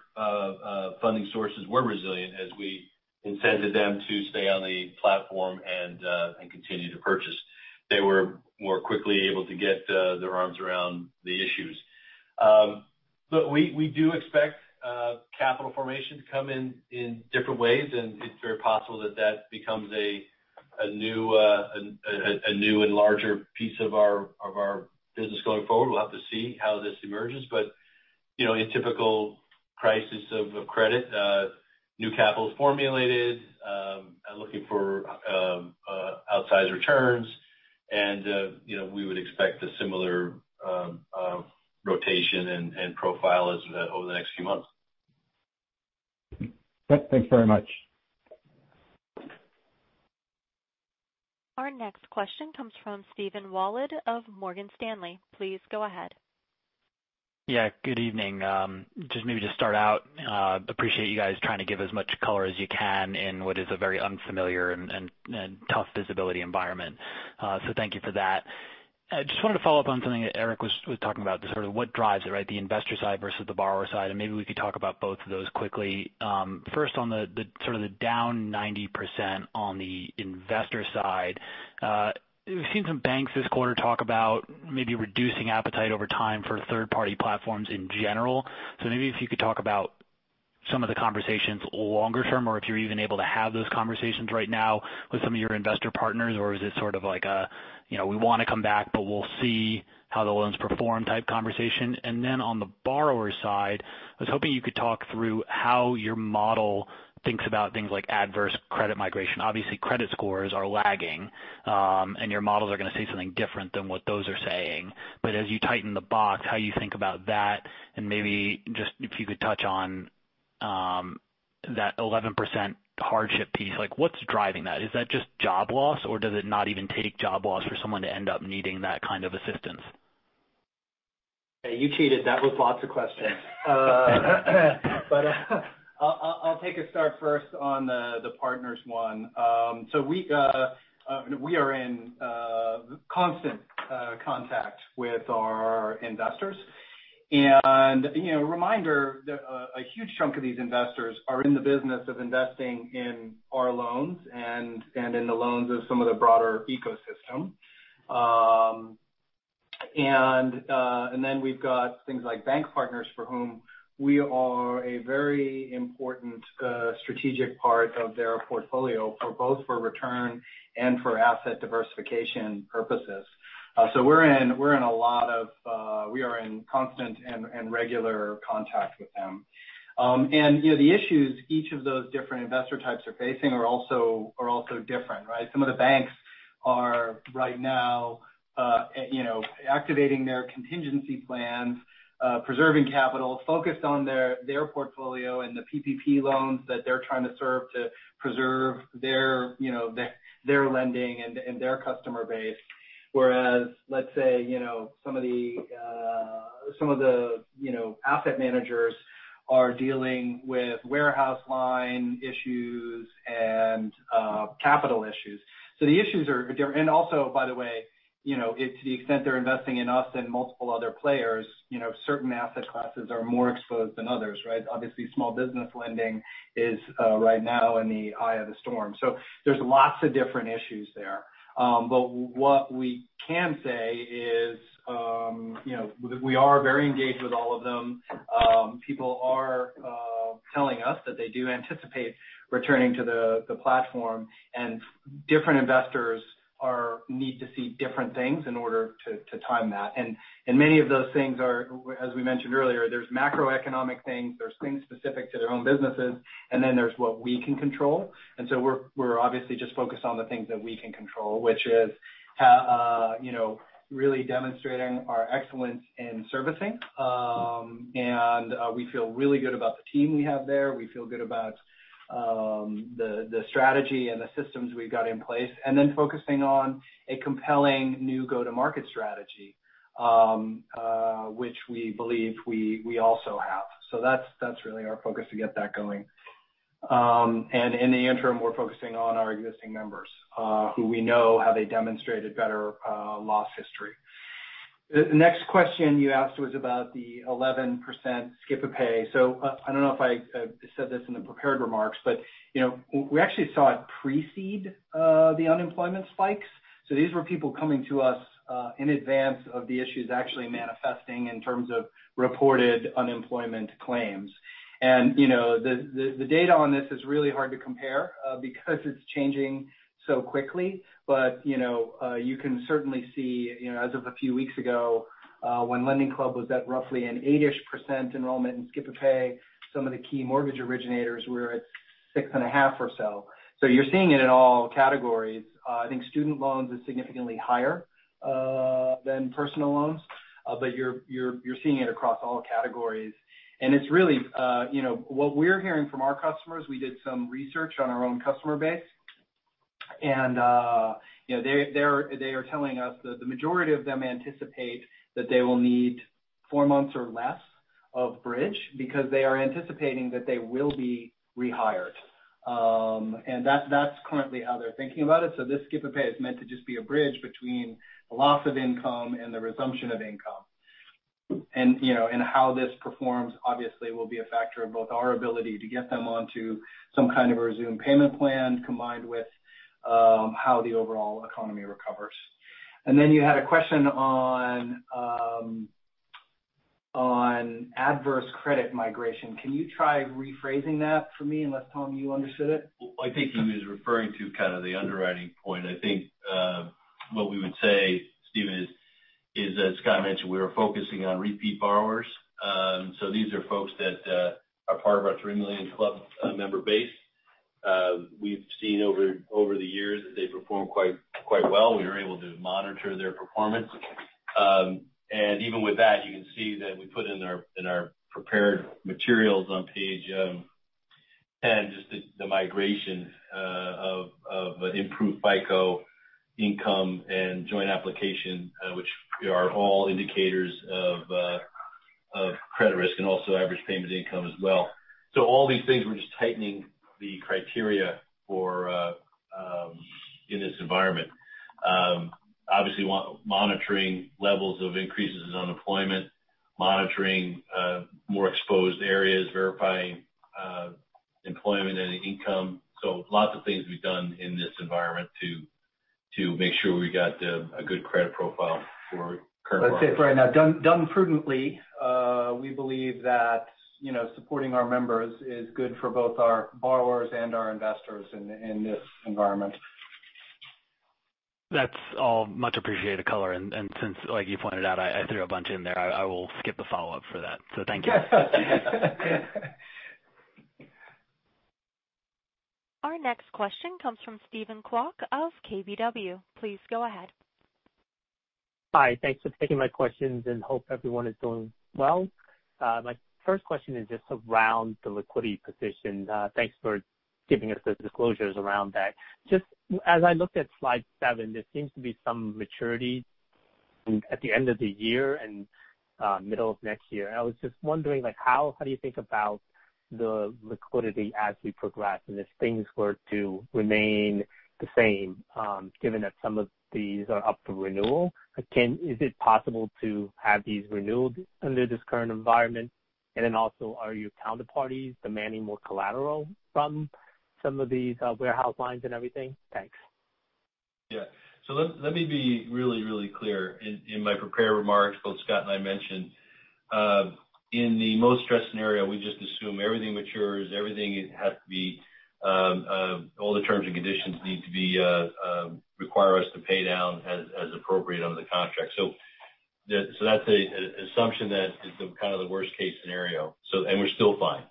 funding sources were resilient as we incented them to stay on the platform and continue to purchase. They were more quickly able to get their arms around the issues. We do expect capital formation to come in different ways. It is very possible that that becomes a new and larger piece of our business going forward. We will have to see how this emerges. In typical crisis of credit, new capital is formulated, looking for outsized returns. We would expect a similar rotation and profile over the next few months. Thanks very much. Our next question comes from Steven Wald of Morgan Stanley. Please go ahead. Yeah. Good evening. Just maybe to start out, appreciate you guys trying to give as much color as you can in what is a very unfamiliar and tough visibility environment. Thank you for that. I just wanted to follow up on something that Eric was talking about, sort of what drives it, right? The investor side versus the borrower side. Maybe we could talk about both of those quickly. First, on sort of the down 90% on the investor side, we have seen some banks this quarter talk about maybe reducing appetite over time for third-party platforms in general. Maybe if you could talk about some of the conversations longer term, or if you are even able to have those conversations right now with some of your investor partners, or is it sort of like, "We want to come back, but we will see how the loans perform" type conversation? On the borrower side, I was hoping you could talk through how your model thinks about things like adverse credit migration. Obviously, credit scores are lagging, and your models are going to say something different than what those are saying. As you tighten the box, how you think about that, and maybe just if you could touch on that 11% hardship piece, what's driving that? Is that just job loss, or does it not even take job loss for someone to end up needing that kind of assistance? You cheated. That was lots of questions. I'll take a start first on the partners one. We are in constant contact with our investors. Reminder, a huge chunk of these investors are in the business of investing in our loans and in the loans of some of the broader ecosystem. We have things like bank partners for whom we are a very important strategic part of their portfolio, both for return and for asset diversification purposes. We are in constant and regular contact with them. The issues each of those different investor types are facing are also different, right? Some of the banks are right now activating their contingency plans, preserving capital, focused on their portfolio and the PPP loans that they are trying to serve to preserve their lending and their customer base. Whereas, let's say, some of the asset managers are dealing with warehouse line issues and capital issues. The issues are different. Also, by the way, to the extent they're investing in us and multiple other players, certain asset classes are more exposed than others, right? Obviously, small business lending is right now in the eye of the storm. There are lots of different issues there. What we can say is we are very engaged with all of them. People are telling us that they do anticipate returning to the platform. Different investors need to see different things in order to time that. Many of those things are, as we mentioned earlier, there are macroeconomic things, there are things specific to their own businesses, and then there is what we can control. We are obviously just focused on the things that we can control, which is really demonstrating our excellence in servicing. We feel really good about the team we have there. We feel good about the strategy and the systems we have in place. We are focusing on a compelling new go-to-market strategy, which we believe we also have. That is really our focus to get that going. In the interim, we are focusing on our existing members who we know have a demonstrated better loss history. The next question you asked was about the 11% Skip-a-Pay. I do not know if I said this in the prepared remarks, but we actually saw it precede the unemployment spikes. These were people coming to us in advance of the issues actually manifesting in terms of reported unemployment claims. The data on this is really hard to compare because it's changing so quickly. You can certainly see, as of a few weeks ago, when LendingClub was at roughly an 8% enrollment in Skip-a-Pay, some of the key mortgage originators were at 6.5% or so. You're seeing it in all categories. I think student loans are significantly higher than personal loans, but you're seeing it across all categories. It's really what we're hearing from our customers. We did some research on our own customer base, and they are telling us that the majority of them anticipate that they will need four months or less of bridge because they are anticipating that they will be rehired. That's currently how they're thinking about it. This Skip-a-Pay is meant to just be a bridge between the loss of income and the resumption of income. How this performs, obviously, will be a factor of both our ability to get them onto some kind of a resumed payment plan combined with how the overall economy recovers. You had a question on adverse credit migration. Can you try rephrasing that for me unless, Tom, you understood it? I think he was referring to kind of the underwriting point. I think what we would say, Steven, is, as Scott mentioned, we are focusing on repeat borrowers. These are folks that are part of our 3 million Club member base. We've seen over the years that they perform quite well. We are able to monitor their performance. Even with that, you can see that we put in our prepared materials on page 10, just the migration of improved FICO income and joint application, which are all indicators of credit risk and also average payment income as well. All these things, we're just tightening the criteria in this environment. Obviously, monitoring levels of increases in unemployment, monitoring more exposed areas, verifying employment and income. Lots of things we've done in this environment to make sure we've got a good credit profile for current borrowers. That's it for right now. Done prudently. We believe that supporting our members is good for both our borrowers and our investors in this environment. That's all much appreciated color. Since you pointed out, I threw a bunch in there, I will skip the follow-up for that. Thank you. Our next question comes from Stephen Kwok of KBW. Please go ahead. Hi. Thanks for taking my questions and hope everyone is doing well. My first question is just around the liquidity position. Thanks for giving us the disclosures around that. Just as I looked at Slide 7, there seems to be some maturity at the end of the year and middle of next year. I was just wondering, how do you think about the liquidity as we progress and if things were to remain the same, given that some of these are up for renewal? Is it possible to have these renewed under this current environment? Also, are your counterparties demanding more collateral from some of these warehouse lines and everything? Thanks. Yeah. Let me be really, really clear in my prepared remarks. Both Scott and I mentioned, in the most stressed scenario, we just assume everything matures, everything has to be, all the terms and conditions need to require us to pay down as appropriate under the contract. That is an assumption that is kind of the worst-case scenario. We are still fine.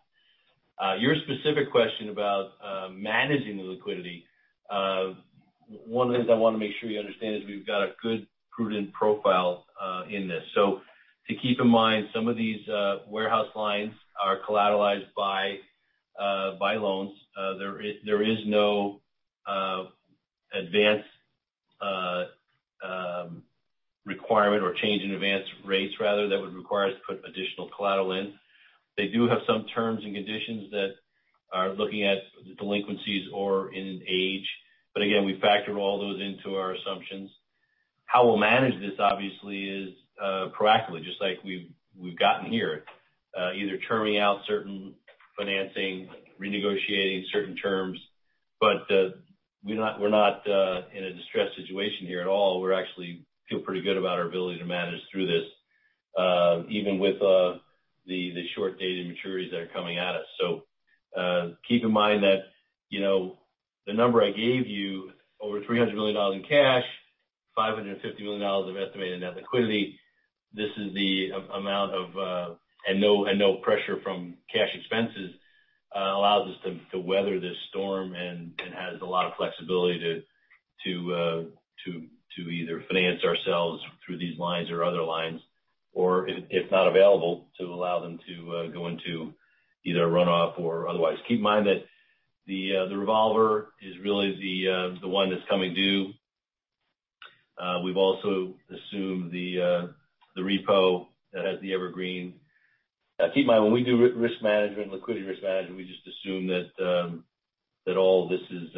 Your specific question about managing the liquidity, one of the things I want to make sure you understand is we've got a good, prudent profile in this. To keep in mind, some of these warehouse lines are collateralized by loans. There is no advance requirement or change in advance rates, rather, that would require us to put additional collateral in. They do have some terms and conditions that are looking at delinquencies or in age. Again, we factor all those into our assumptions. How we'll manage this, obviously, is proactively, just like we've gotten here, either churning out certain financing, renegotiating certain terms. We're not in a distressed situation here at all. We actually feel pretty good about our ability to manage through this, even with the short-dated maturities that are coming at us. Keep in mind that the number I gave you, over $300 million in cash, $550 million of estimated net liquidity, this is the amount of and no pressure from cash expenses allows us to weather this storm and has a lot of flexibility to either finance ourselves through these lines or other lines, or if not available, to allow them to go into either a runoff or otherwise. Keep in mind that the revolver is really the one that's coming due. We've also assumed the repo that has the evergreen. Keep in mind, when we do risk management, liquidity risk management, we just assume that all this is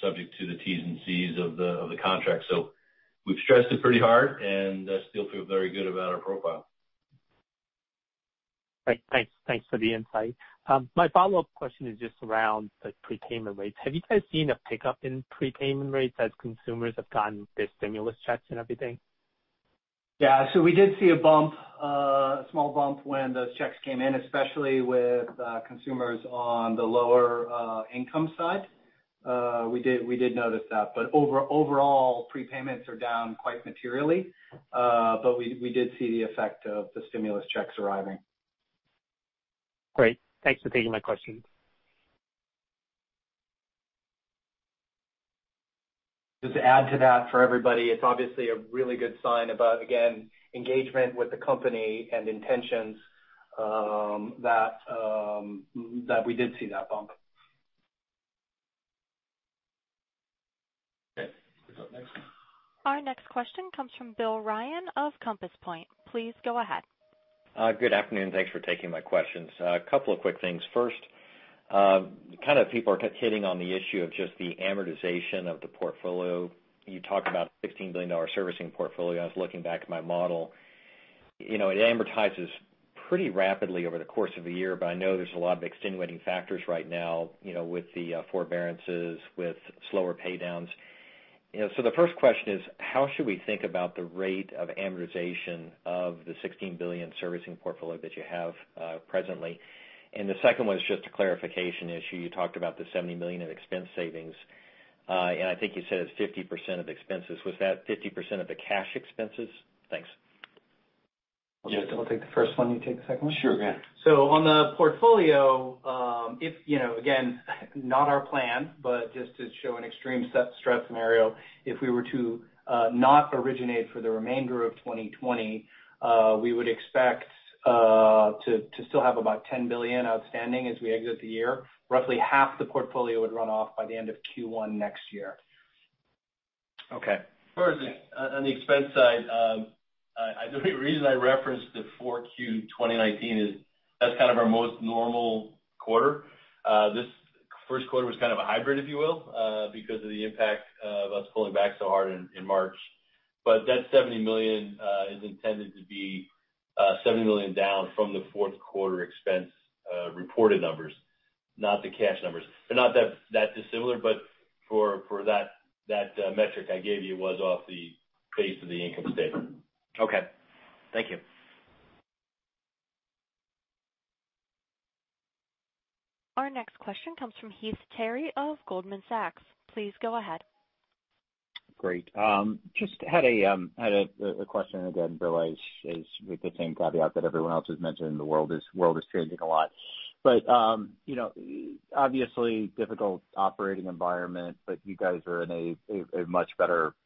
subject to the T's and C's of the contract. We have stressed it pretty hard and still feel very good about our profile. Great. Thanks for the insight. My follow-up question is just around the prepayment rates. Have you guys seen a pickup in prepayment rates as consumers have gotten their stimulus checks and everything? Yeah. We did see a small bump when those checks came in, especially with consumers on the lower income side. We did notice that. Overall, prepayments are down quite materially. We did see the effect of the stimulus checks arriving. Great. Thanks for taking my question. Just to add to that for everybody, it's obviously a really good sign about, again, engagement with the company and intentions that we did see that bump. Okay. Next one. Our next question comes from Bill Ryan of Compass Point. Please go ahead. Good afternoon. Thanks for taking my questions. A couple of quick things. First, kind of people are hitting on the issue of just the amortization of the portfolio. You talk about a $16 billion servicing portfolio. I was looking back at my model. It amortizes pretty rapidly over the course of a year, but I know there's a lot of extenuating factors right now with the forbearances, with slower paydowns. The first question is, how should we think about the rate of amortization of the $16 billion servicing portfolio that you have presently? The second one is just a clarification issue. You talked about the $70 million of expense savings. I think you said it's 50% of expenses. Was that 50% of the cash expenses? Thanks. Yeah. Do you want to take the first one? I'll take the second one. Sure. On the portfolio, again, not our plan, but just to show an extreme stress scenario, if we were to not originate for the remainder of 2020, we would expect to still have about $10 billion outstanding as we exit the year. Roughly half the portfolio would run off by the end of Q1 next year. Okay. On the expense side, the reason I referenced the 4Q 2019 is that's kind of our most normal quarter. This first quarter was kind of a hybrid, if you will, because of the impact of us pulling back so hard in March. That $70 million is intended to be $70 million down from the fourth quarter expense reported numbers, not the cash numbers. They're not that dissimilar, but for that metric I gave you, it was off the base of the income statement. Okay. Thank you. Our next question comes from Heath Terry of Goldman Sachs. Please go ahead. Great. Just had a question. Again, realize it's with the same caveat that everyone else has mentioned. The world is changing a lot. Obviously, difficult operating environment, but you guys are in a much better position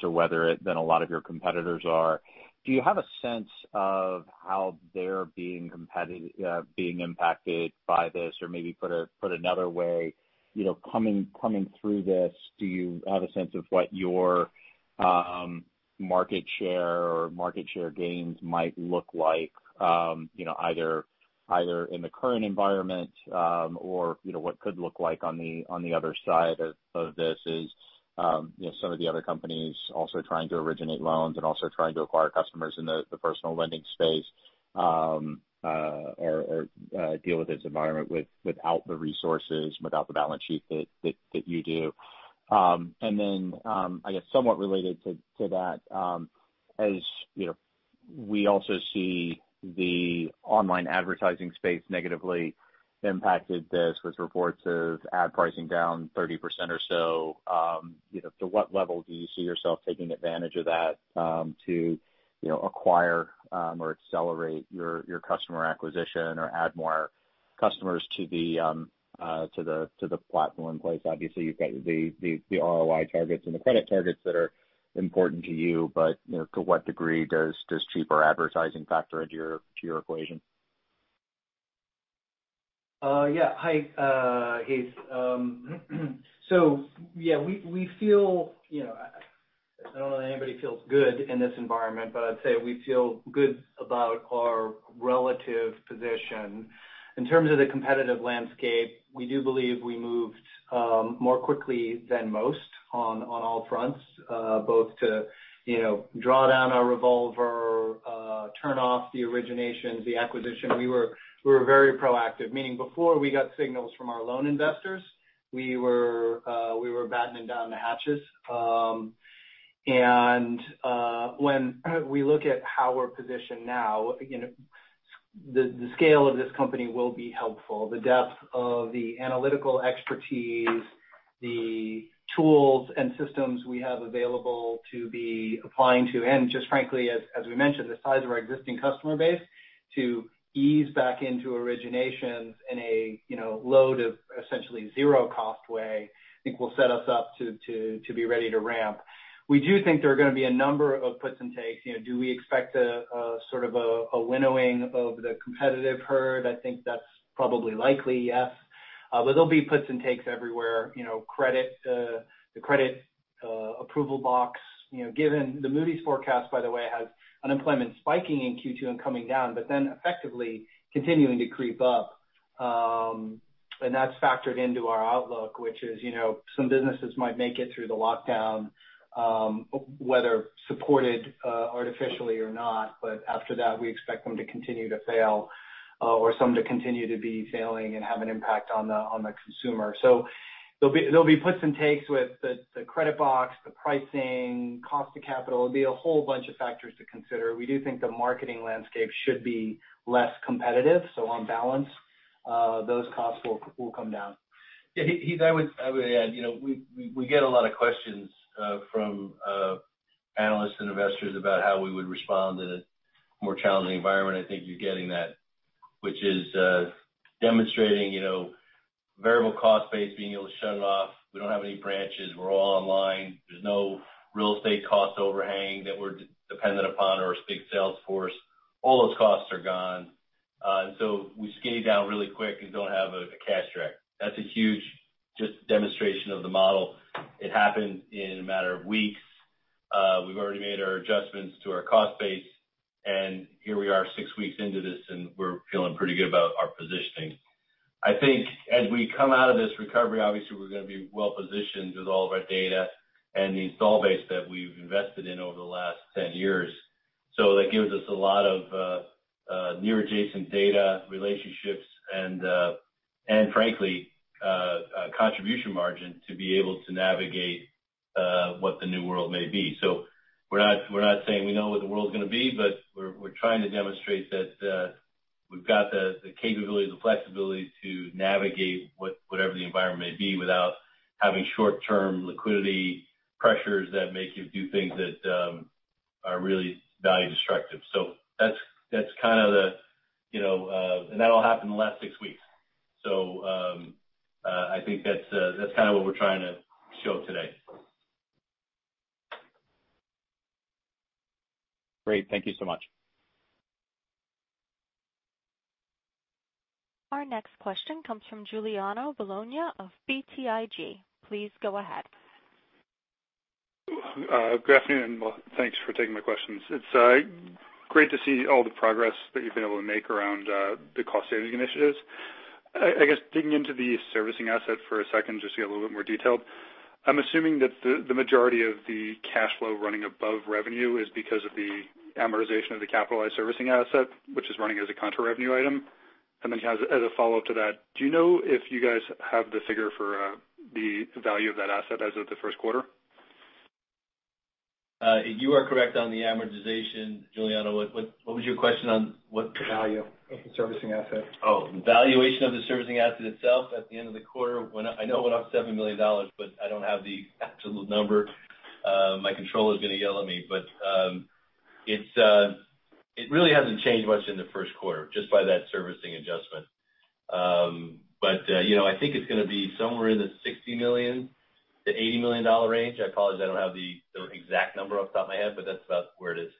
to weather it than a lot of your competitors are. Do you have a sense of how they're being impacted by this? Or maybe put another way, coming through this, do you have a sense of what your market share or market share gains might look like, either in the current environment or what could look like on the other side of this? Is some of the other companies also trying to originate loans and also trying to acquire customers in the personal lending space or deal with this environment without the resources, without the balance sheet that you do? I guess, somewhat related to that, as we also see the online advertising space negatively impacted this with reports of ad pricing down 30% or so, to what level do you see yourself taking advantage of that to acquire or accelerate your customer acquisition or add more customers to the platform in place? Obviously, you've got the ROI targets and the credit targets that are important to you, but to what degree does cheaper advertising factor into your equation? Yeah. Hi, Heath. Yeah, we feel I don't know that anybody feels good in this environment, but I'd say we feel good about our relative position. In terms of the competitive landscape, we do believe we moved more quickly than most on all fronts, both to draw down our revolver, turn off the originations, the acquisition. We were very proactive. Meaning, before we got signals from our loan investors, we were battening down the hatches. When we look at how we're positioned now, the scale of this company will be helpful, the depth of the analytical expertise, the tools and systems we have available to be applying to, and just frankly, as we mentioned, the size of our existing customer base to ease back into originations in a load of essentially zero-cost way, I think will set us up to be ready to ramp. We do think there are going to be a number of puts and takes. Do we expect sort of a winnowing of the competitive herd? I think that's probably likely, yes. There'll be puts and takes everywhere. The credit approval box, given the Moody's forecast, by the way, has unemployment spiking in Q2 and coming down, but then effectively continuing to creep up. That's factored into our outlook, which is some businesses might make it through the lockdown, whether supported artificially or not. After that, we expect them to continue to fail or some to continue to be failing and have an impact on the consumer. There'll be puts and takes with the credit box, the pricing, cost of capital. There'll be a whole bunch of factors to consider. We do think the marketing landscape should be less competitive. On balance, those costs will come down. Yeah. Heath, I would add, we get a lot of questions from analysts and investors about how we would respond in a more challenging environment. I think you're getting that, which is demonstrating variable cost base, being able to shut it off. We don't have any branches. We're all online. There's no real estate cost overhang that we're dependent upon or a big sales force. All those costs are gone. We skate down really quick and don't have a cash drag. That's a huge just demonstration of the model. It happened in a matter of weeks. We've already made our adjustments to our cost base. Here we are six weeks into this, and we're feeling pretty good about our positioning. I think as we come out of this recovery, obviously, we're going to be well-positioned with all of our data and the install base that we've invested in over the last 10 years. That gives us a lot of near-adjacent data relationships and, frankly, contribution margin to be able to navigate what the new world may be. We're not saying we know what the world's going to be, but we're trying to demonstrate that we've got the capability, the flexibility to navigate whatever the environment may be without having short-term liquidity pressures that make you do things that are really value-destructive. That's kind of the and that'll happen in the last six weeks. I think that's kind of what we're trying to show today. Great. Thank you so much. Our next question comes from Giuliano Bologna of BTIG. Please go ahead. Good afternoon, and thanks for taking my questions. It's great to see all the progress that you've been able to make around the cost-saving initiatives. I guess digging into the servicing asset for a second, just to get a little bit more detailed, I'm assuming that the majority of the cash flow running above revenue is because of the amortization of the capitalized servicing asset, which is running as a contra-revenue item. As a follow-up to that, do you know if you guys have the figure for the value of that asset as of the first quarter? You are correct on the amortization, Giuliano. What was your question on what? The value of the servicing asset? Oh, the valuation of the servicing asset itself at the end of the quarter. I know it went up $7 million, but I don't have the absolute number. My controller is going to yell at me. It really hasn't changed much in the first quarter just by that servicing adjustment. I think it's going to be somewhere in the $60 million-$80 million range. I apologize. I don't have the exact number off the top of my head, but that's about where it is.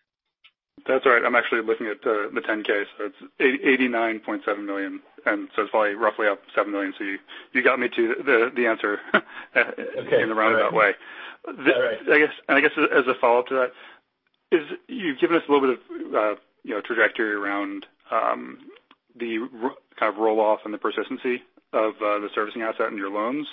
That's all right. I'm actually looking at the 10-K. So it's $89.7 million. It's probably roughly up $7 million. You got me to the answer in the roundabout way. I guess as a follow-up to that, you've given us a little bit of trajectory around the kind of rolloff and the persistency of the servicing asset and your loans.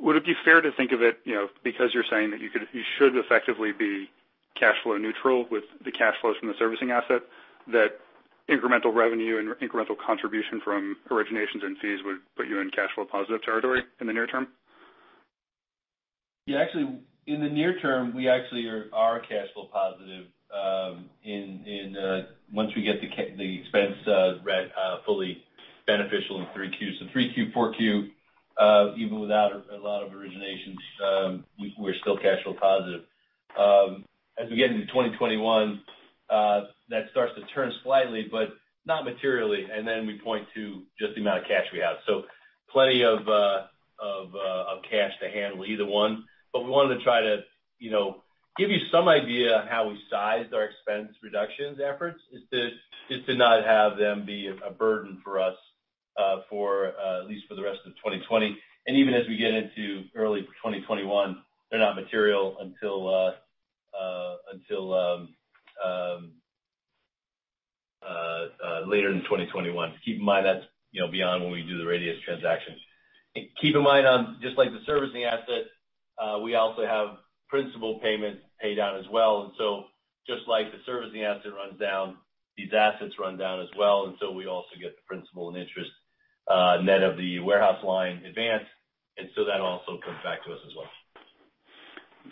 Would it be fair to think of it, because you're saying that you should effectively be cash flow neutral with the cash flows from the servicing asset, that incremental revenue and incremental contribution from originations and fees would put you in cash flow positive territory in the near term? Yeah. Actually, in the near term, we actually are cash flow positive once we get the expense rate fully beneficial in 3Q. 3Q, 4Q, even without a lot of originations, we're still cash flow positive. As we get into 2021, that starts to turn slightly, but not materially. We point to just the amount of cash we have. Plenty of cash to handle either one. We wanted to try to give you some idea on how we sized our expense reductions efforts is to not have them be a burden for us, at least for the rest of 2020. Even as we get into early 2021, they're not material until later in 2021. Keep in mind that's beyond when we do the Radius transaction. Keep in mind, just like the servicing asset, we also have principal payments paid out as well. Just like the servicing asset runs down, these assets run down as well. We also get the principal and interest net of the warehouse line advance. That also comes back to us as well.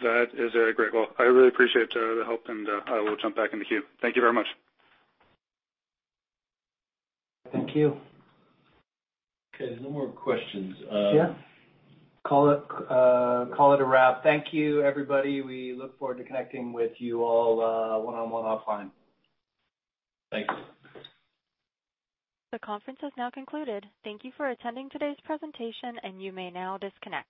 That is a great goal. I really appreciate the help, and I will jump back in the queue. Thank you very much. Thank you. Okay. There are no more questions. Yeah. Call it a wrap. Thank you, everybody. We look forward to connecting with you all one-on-one offline. Thanks. The conference has now concluded. Thank you for attending today's presentation, and you may now disconnect.